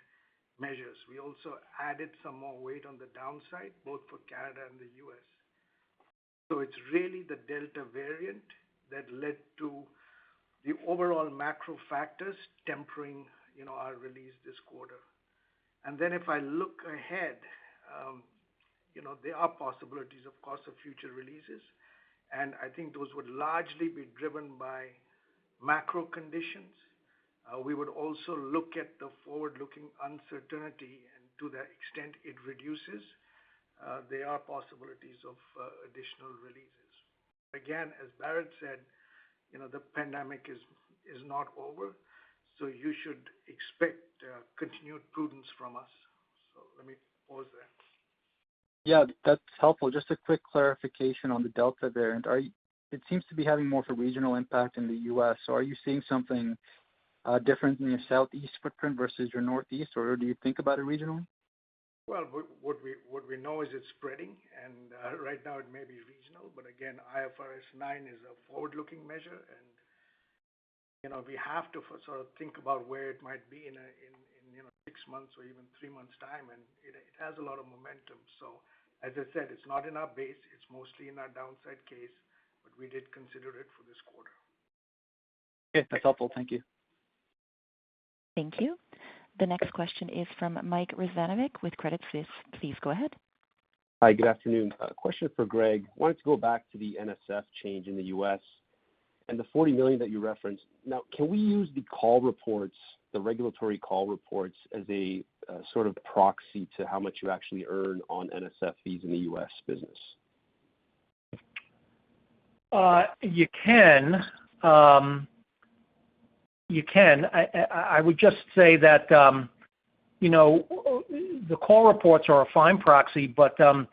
measures. We also added some more weight on the downside, both for Canada and the U.S. It's really the Delta variant that led to the overall macro factors tempering our release this quarter. If I look ahead, there are possibilities, of course, of future releases, and I think those would largely be driven by macro conditions. We would also look at the forward-looking uncertainty, and to the extent it reduces, there are possibilities of additional releases. Again, as Bharat said, the pandemic is not over, so you should expect continued prudence from us. Let me pause there. Yeah. That's helpful. Just a quick clarification on the Delta variant. It seems to be having more of a regional impact in the U.S. Are you seeing something different in your Southeast footprint versus your Northeast, or do you think about it regional? Well, what we know is it's spreading, and right now it may be regional, but again, IFRS 9 is a forward-looking measure. We have to sort of think about where it might be in six months or even three months' time, and it has a lot of momentum. As I said, it's not in our base, it's mostly in our downside case, but we did consider it for this quarter. Okay. That's helpful. Thank you. Thank you. The next question is from Mike Rizvanovic with Credit Suisse. Please go ahead. Hi, good afternoon. A question for Greg. Wanted to go back to the NSF change in the U.S. and the $40 million that you referenced. Can we use the call reports, the regulatory call reports, as a sort of proxy to how much you actually earn on NSF fees in the U.S. business? You can. I would just say that the call reports are a fine proxy, but a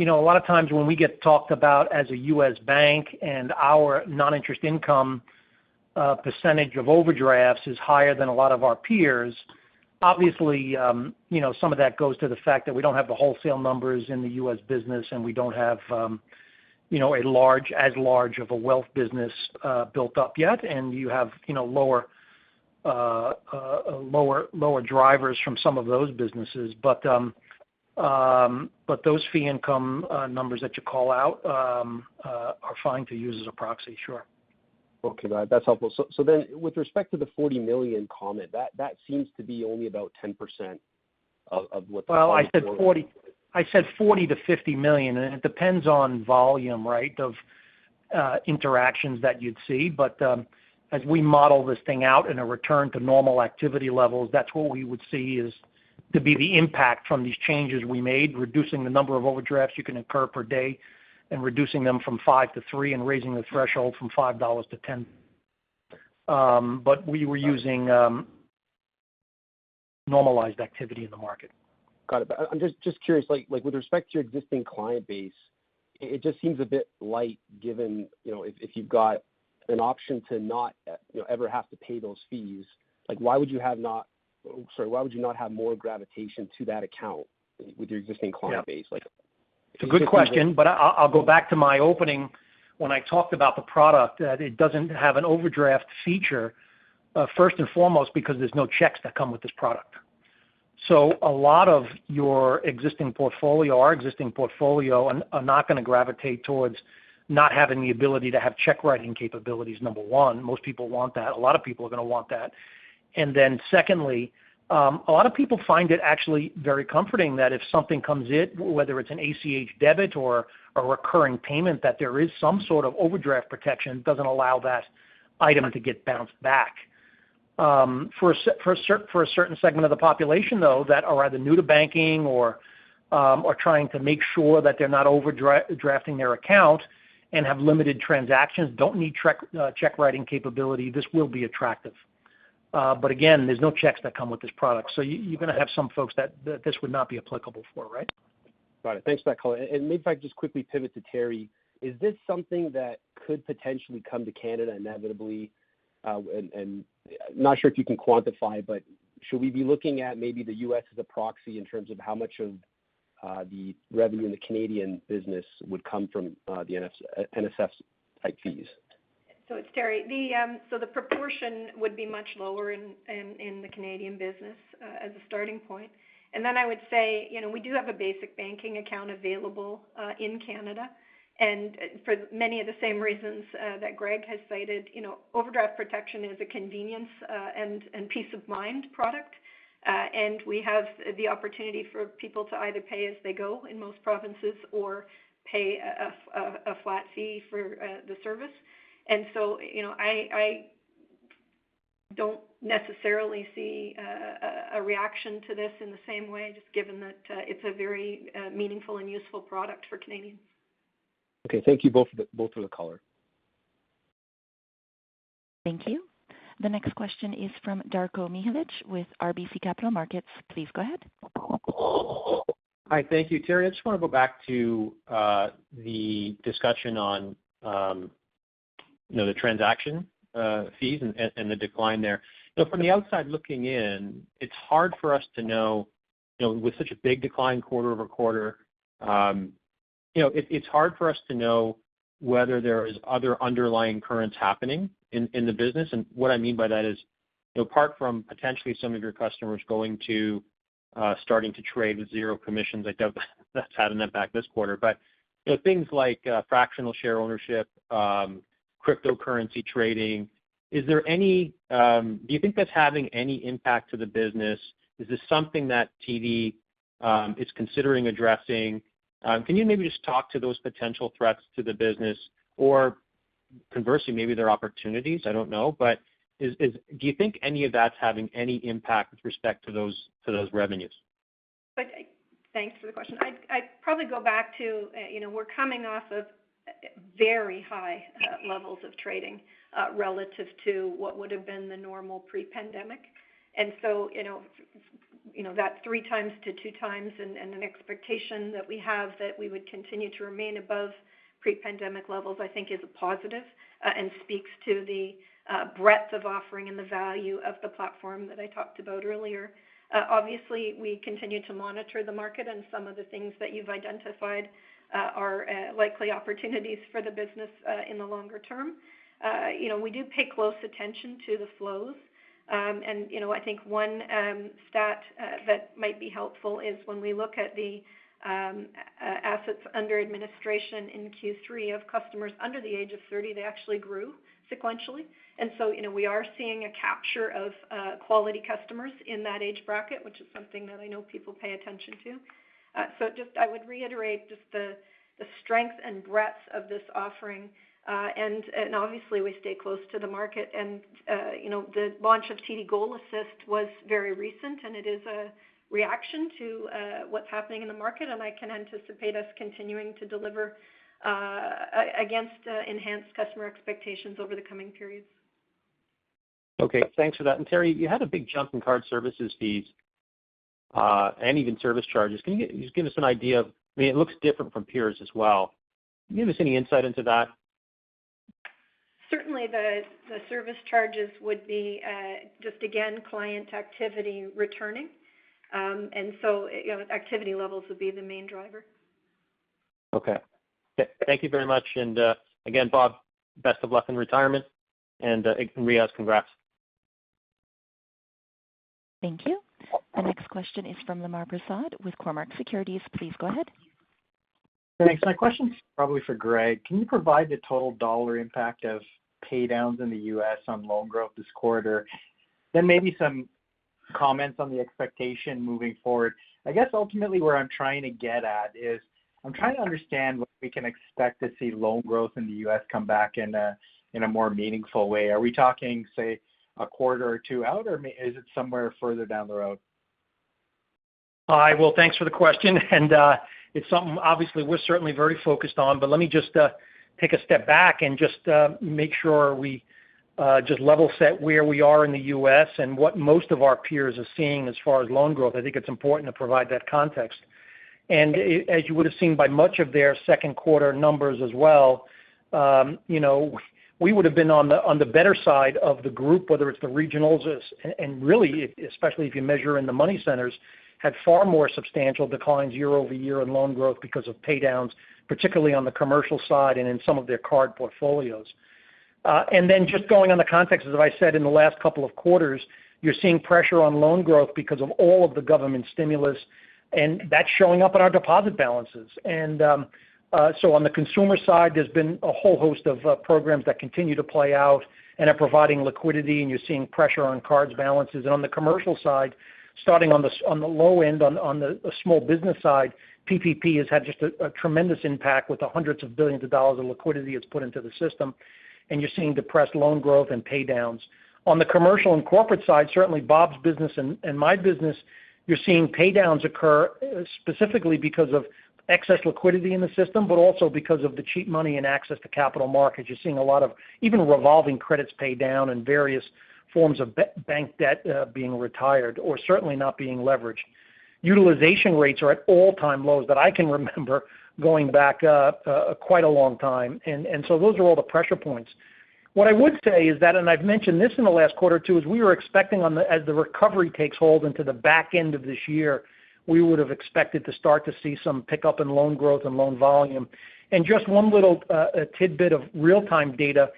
lot of times when we get talked about as a U.S. bank and our non-interest income percentage of overdrafts is higher than a lot of our peers, obviously, some of that goes to the fact that we don't have the wholesale numbers in the U.S. business and we don't have as large of a wealth business built up yet. You have lower drivers from some of those businesses. Those fee income numbers that you call out are fine to use as a proxy. Sure. Okay. That's helpful. With respect to the 40 million comment, that seems to be only about 10% of what the- I said $40 million-$50 million. It depends on volume of interactions that you'd see. As we model this thing out in a return to normal activity levels, that's what we would see is to be the impact from these changes we made, reducing the number of overdrafts you can incur per day and reducing them from five-three and raising the threshold from $5 to $10. We were using normalized activity in the market. Got it. I'm just curious, with respect to your existing client base, it just seems a bit light given if you've got an option to not ever have to pay those fees. Why would you not have more gravitation to that account with your existing client base? It's a good question. I'll go back to my opening when I talked about the product. It doesn't have an overdraft feature first and foremost because there's no checks that come with this product. A lot of your existing portfolio, our existing portfolio, are not going to gravitate towards not having the ability to have check-writing capabilities, number one. Most people want that. A lot of people are going to want that. Secondly, a lot of people find it actually very comforting that if something comes in, whether it's an ACH debit or a recurring payment, that there is some sort of overdraft protection, doesn't allow that item to get bounced back. For a certain segment of the population, though, that are either new to banking or trying to make sure that they're not overdrafting their account and have limited transactions, don't need check-writing capability, this will be attractive. Again, there's no checks that come with this product. You're going to have some folks that this would not be applicable for, right? Got it. Thanks for that call. Maybe if I could just quickly pivot to Teri Currie. Is this something that could potentially come to Canada inevitably? I'm not sure if you can quantify, but should we be looking at maybe the U.S. as a proxy in terms of how much of the revenue in the Canadian business would come from the NSF-type fees? It's Teri Currie. The proportion would be much lower in the Canadian business as a starting point. I would say we do have a basic banking account available in Canada. For many of the same reasons that Greg Braca has cited, overdraft protection is a convenience and peace-of-mind product. We have the opportunity for people to either pay as they go in most provinces or pay a flat fee for the service. I don't necessarily see a reaction to this in the same way, just given that it's a very meaningful and useful product for Canadians. Okay. Thank you both for the color. Thank you. The next question is from Darko Mihelic with RBC Capital Markets. Please go ahead. Hi. Thank you. Teri, I just want to go back to the discussion on the transaction fees and the decline there. From the outside looking in, it's hard for us to know with such a big decline quarter-over-quarter. It's hard for us to know whether there is other underlying currents happening in the business. What I mean by that is apart from potentially some of your customers going to starting to trade with zero commissions, I doubt that's having an impact this quarter. Things like fractional share ownership, cryptocurrency trading, do you think that's having any impact to the business? Is this something that TD is considering addressing? Can you maybe just talk to those potential threats to the business? Conversely, maybe they're opportunities, I don't know. Do you think any of that's having any impact with respect to those revenues? Thanks for the question. I'd probably go back to we're coming off of very high levels of trading relative to what would've been the normal pre-pandemic. That 3x - 2x and an expectation that we have that we would continue to remain above pre-pandemic levels, I think is a positive and speaks to the breadth of offering and the value of the platform that I talked about earlier. Obviously, we continue to monitor the market and some of the things that you've identified are likely opportunities for the business in the longer term. We do pay close attention to the flows. I think one stat that might be helpful is when we look at the assets under administration in Q3 of customers under the age of 30, they actually grew sequentially. We are seeing a capture of quality customers in that age bracket, which is something that I know people pay attention to. I would reiterate just the strength and breadth of this offering. Obviously, we stay close to the market and the launch of TD GoalAssist was very recent, and it is a reaction to what's happening in the market, and I can anticipate us continuing to deliver against enhanced customer expectations over the coming periods. Okay, thanks for that. Teri, you had a big jump in card services fees, and even service charges. I mean, it looks different from peers as well. Can you give us any insight into that? Certainly, the service charges would be just, again, client activity returning. Activity levels would be the main driver. Okay. Thank you very much. Again, Bob, best of luck in retirement and Riaz, congrats. Thank you. The next question is from Lemar Persaud with Cormark Securities. Please go ahead. Thanks. My question's probably for Greg. Can you provide the total dollar impact of pay downs in the U.S. on loan growth this quarter? Maybe some comments on the expectation moving forward. I guess ultimately where I'm trying to get at is I'm trying to understand what we can expect to see loan growth in the U.S. come back in a more meaningful way. Are we talking, say, a quarter or two out, or is it somewhere further down the road? Hi. Thanks for the question. It's something obviously we're certainly very focused on. Let me just take a step back and just make sure we just level set where we are in the U.S. and what most of our peers are seeing as far as loan growth. I think it's important to provide that context. As you would've seen by much of their Q2 numbers as well, we would've been on the better side of the group, whether it's the regionals, and really, especially if you measure in the money centers, had far more substantial declines year-over-year in loan growth because of pay-downs, particularly on the commercial side and in some of their card portfolios. Just going on the context, as I said, in the last couple of quarters, you're seeing pressure on loan growth because of all of the government stimulus. That's showing up in our deposit balances. On the consumer side, there's been a whole host of programs that continue to play out and are providing liquidity. You're seeing pressure on cards balances. On the commercial side, starting on the low end, on the small business side, PPP has had just a tremendous impact with the hundreds of billions of CAD of liquidity it's put into the system. You're seeing depressed loan growth and pay-downs. On the commercial and corporate side, certainly Bob's business and my business, you're seeing pay downs occur specifically because of excess liquidity in the system. Also because of the cheap money and access to capital markets. You're seeing a lot of even revolving credits pay down and various forms of bank debt being retired or certainly not being leveraged. Utilization rates are at all time lows that I can remember going back quite a long time. Those are all the pressure points. What I would say is that, and I've mentioned this in the last quarter too, is we were expecting as the recovery takes hold into the back end of this year, we would've expected to start to see some pickup in loan growth and loan volume. Just one little tidbit of real time data.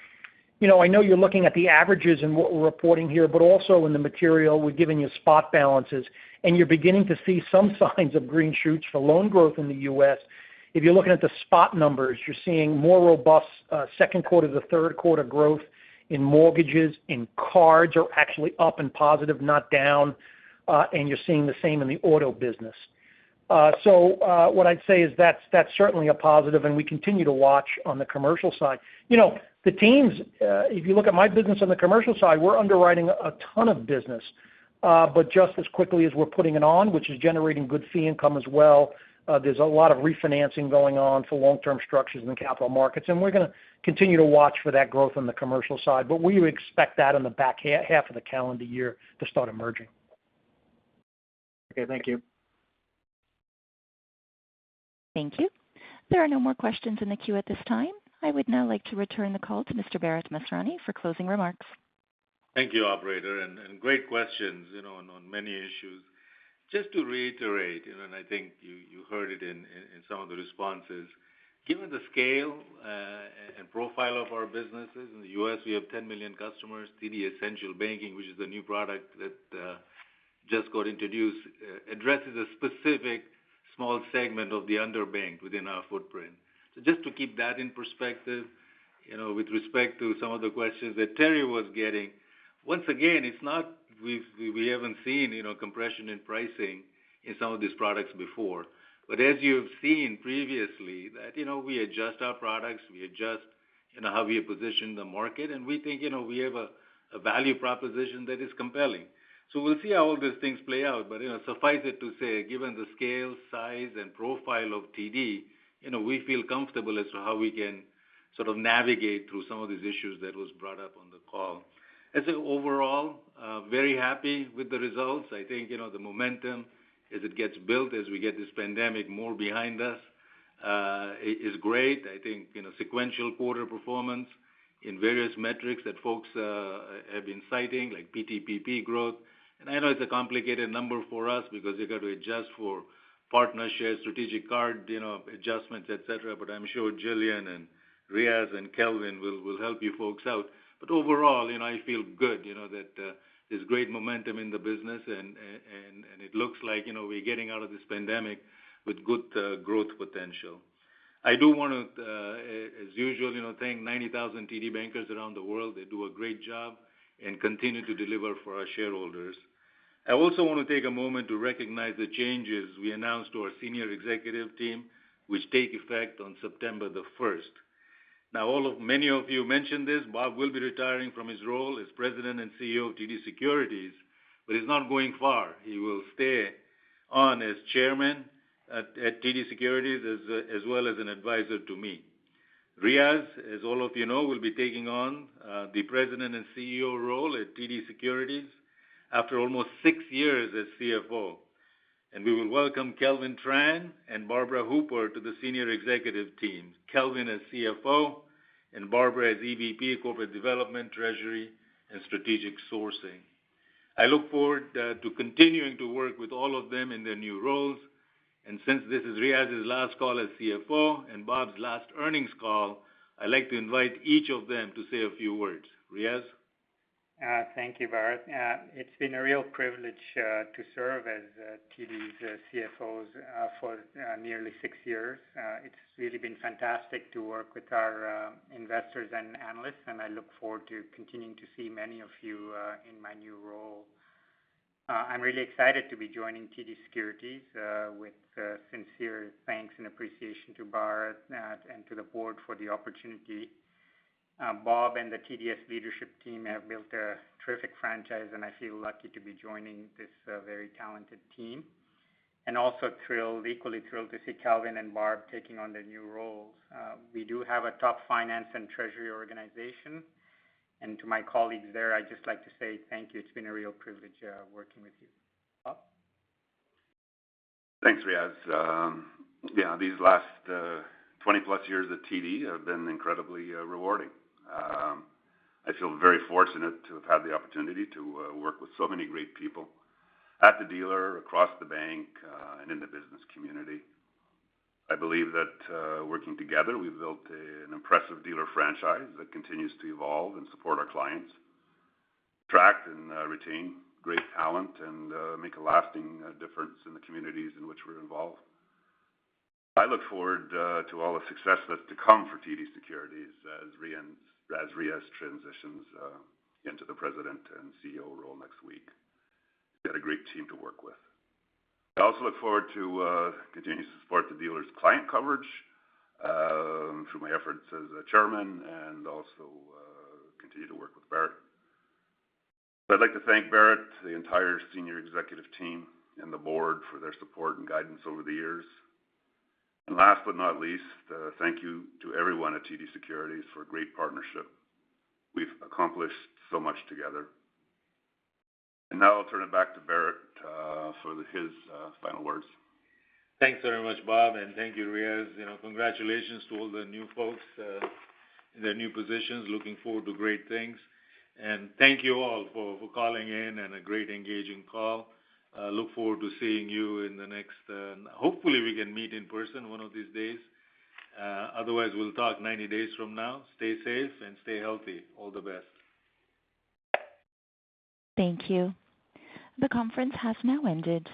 I know you're looking at the averages in what we're reporting here, but also in the material, we're giving you spot balances, and you're beginning to see some signs of green shoots for loan growth in the U.S. If you're looking at the spot numbers, you're seeing more robust Q2 - Q3 growth in mortgages, in cards are actually up and positive, not down. You're seeing the same in the auto business. What I'd say is that's certainly a positive and we continue to watch on the commercial side. The teams, if you look at my business on the commercial side, we're underwriting a ton of business. Just as quickly as we're putting it on, which is generating good fee income as well, there's a lot of refinancing going on for long-term structures in the capital markets, and we're going to continue to watch for that growth on the commercial side. We would expect that in the back half of the calendar year to start emerging. Okay, thank you. Thank you. There are no more questions in the queue at this time. I would now like to return the call to Mr. Bharat Masrani for closing remarks. Thank you, operator. Great questions on many issues. Just to reiterate. I think you heard it in some of the responses. Given the scale and profile of our businesses in the U.S., we have 10 million customers, TD Essential Banking, which is a new product that just got introduced, addresses a specific small segment of the underbanked within our footprint. Just to keep that in perspective, with respect to some of the questions that Teri was getting, once again, it's not we haven't seen compression in pricing in some of these products before. As you have seen previously, that we adjust our products How we have positioned the market, and we think we have a value proposition that is compelling. We'll see how all these things play out. Suffice it to say, given the scale, size, and profile of TD, we feel comfortable as to how we can sort of navigate through some of these issues that was brought up on the call. I'd say overall, very happy with the results. I think, the momentum as it gets built, as we get this pandemic more behind us, is great. I think, sequential quarter performance in various metrics that folks have been citing, like PTPP growth. I know it's a complicated number for us because you've got to adjust for partnership, strategic card, adjustments, et cetera. I'm sure Gillian and Riaz and Kelvin will help you folks out. Overall, I feel good that there's great momentum in the business and it looks like we're getting out of this pandemic with good growth potential. I do want to, as usual, thank 90,000 TD Bankers around the world. They do a great job and continue to deliver for our shareholders. I also want to take a moment to recognize the changes we announced to our senior executive team, which take effect on September the 1st. Many of you mentioned this, Bob will be retiring from his role as President and CEO of TD Securities, but he's not going far. He will stay on as Chairman at TD Securities, as well as an advisor to me. Riaz, as all of you know, will be taking on the President and CEO role at TD Securities after almost six years as CFO. We will welcome Kelvin Tran and Barbara Hooper to the senior executive team, Kelvin as CFO and Barbara as EVP of Corporate Development, Treasury, and Strategic Sourcing. I look forward to continuing to work with all of them in their new roles. Since this is Riaz's last call as CFO and Bob's last earnings call, I'd like to invite each of them to say a few words. Riaz? Thank you, Bharat. It's been a real privilege to serve as TD's CFO for nearly six years. It's really been fantastic to work with our investors and analysts, and I look forward to continuing to see many of you in my new role. I'm really excited to be joining TD Securities, with sincere thanks and appreciation to Bharat and to the board for the opportunity. Bob and the TDS leadership team have built a terrific franchise, and I feel lucky to be joining this very talented team. Also thrilled, equally thrilled to see Kelvin and Barb taking on their new roles. We do have a top finance and treasury organization. To my colleagues there, I'd just like to say thank you. It's been a real privilege working with you. Bob? Thanks, Riaz. Yeah, these last 20-plus years at TD have been incredibly rewarding. I feel very fortunate to have had the opportunity to work with so many great people at the dealer, across the bank, and in the business community. I believe that working together, we've built an impressive dealer franchise that continues to evolve and support our clients, attract and retain great talent, and make a lasting difference in the communities in which we're involved. I look forward to all the success that's to come for TD Securities as Riaz transitions into the President and CEO role next week. He's got a great team to work with. I also look forward to continuing to support the dealers client coverage through my efforts as a chairman and also continue to work with Bharat. I'd like to thank Bharat, the entire senior executive team, and the board for their support and guidance over the years. Last but not least, thank you to everyone at TD Securities for a great partnership. We've accomplished so much together. Now I'll turn it back to Bharat for his final words. Thanks very much, Bob, and thank you, Riaz. Congratulations to all the new folks in their new positions. Looking forward to great things. Thank you all for calling in and a great, engaging call. Look forward to seeing you in the next, hopefully we can meet in person one of these days. Otherwise, we'll talk 90 days from now. Stay safe and stay healthy. All the best. Thank you. The conference has now ended.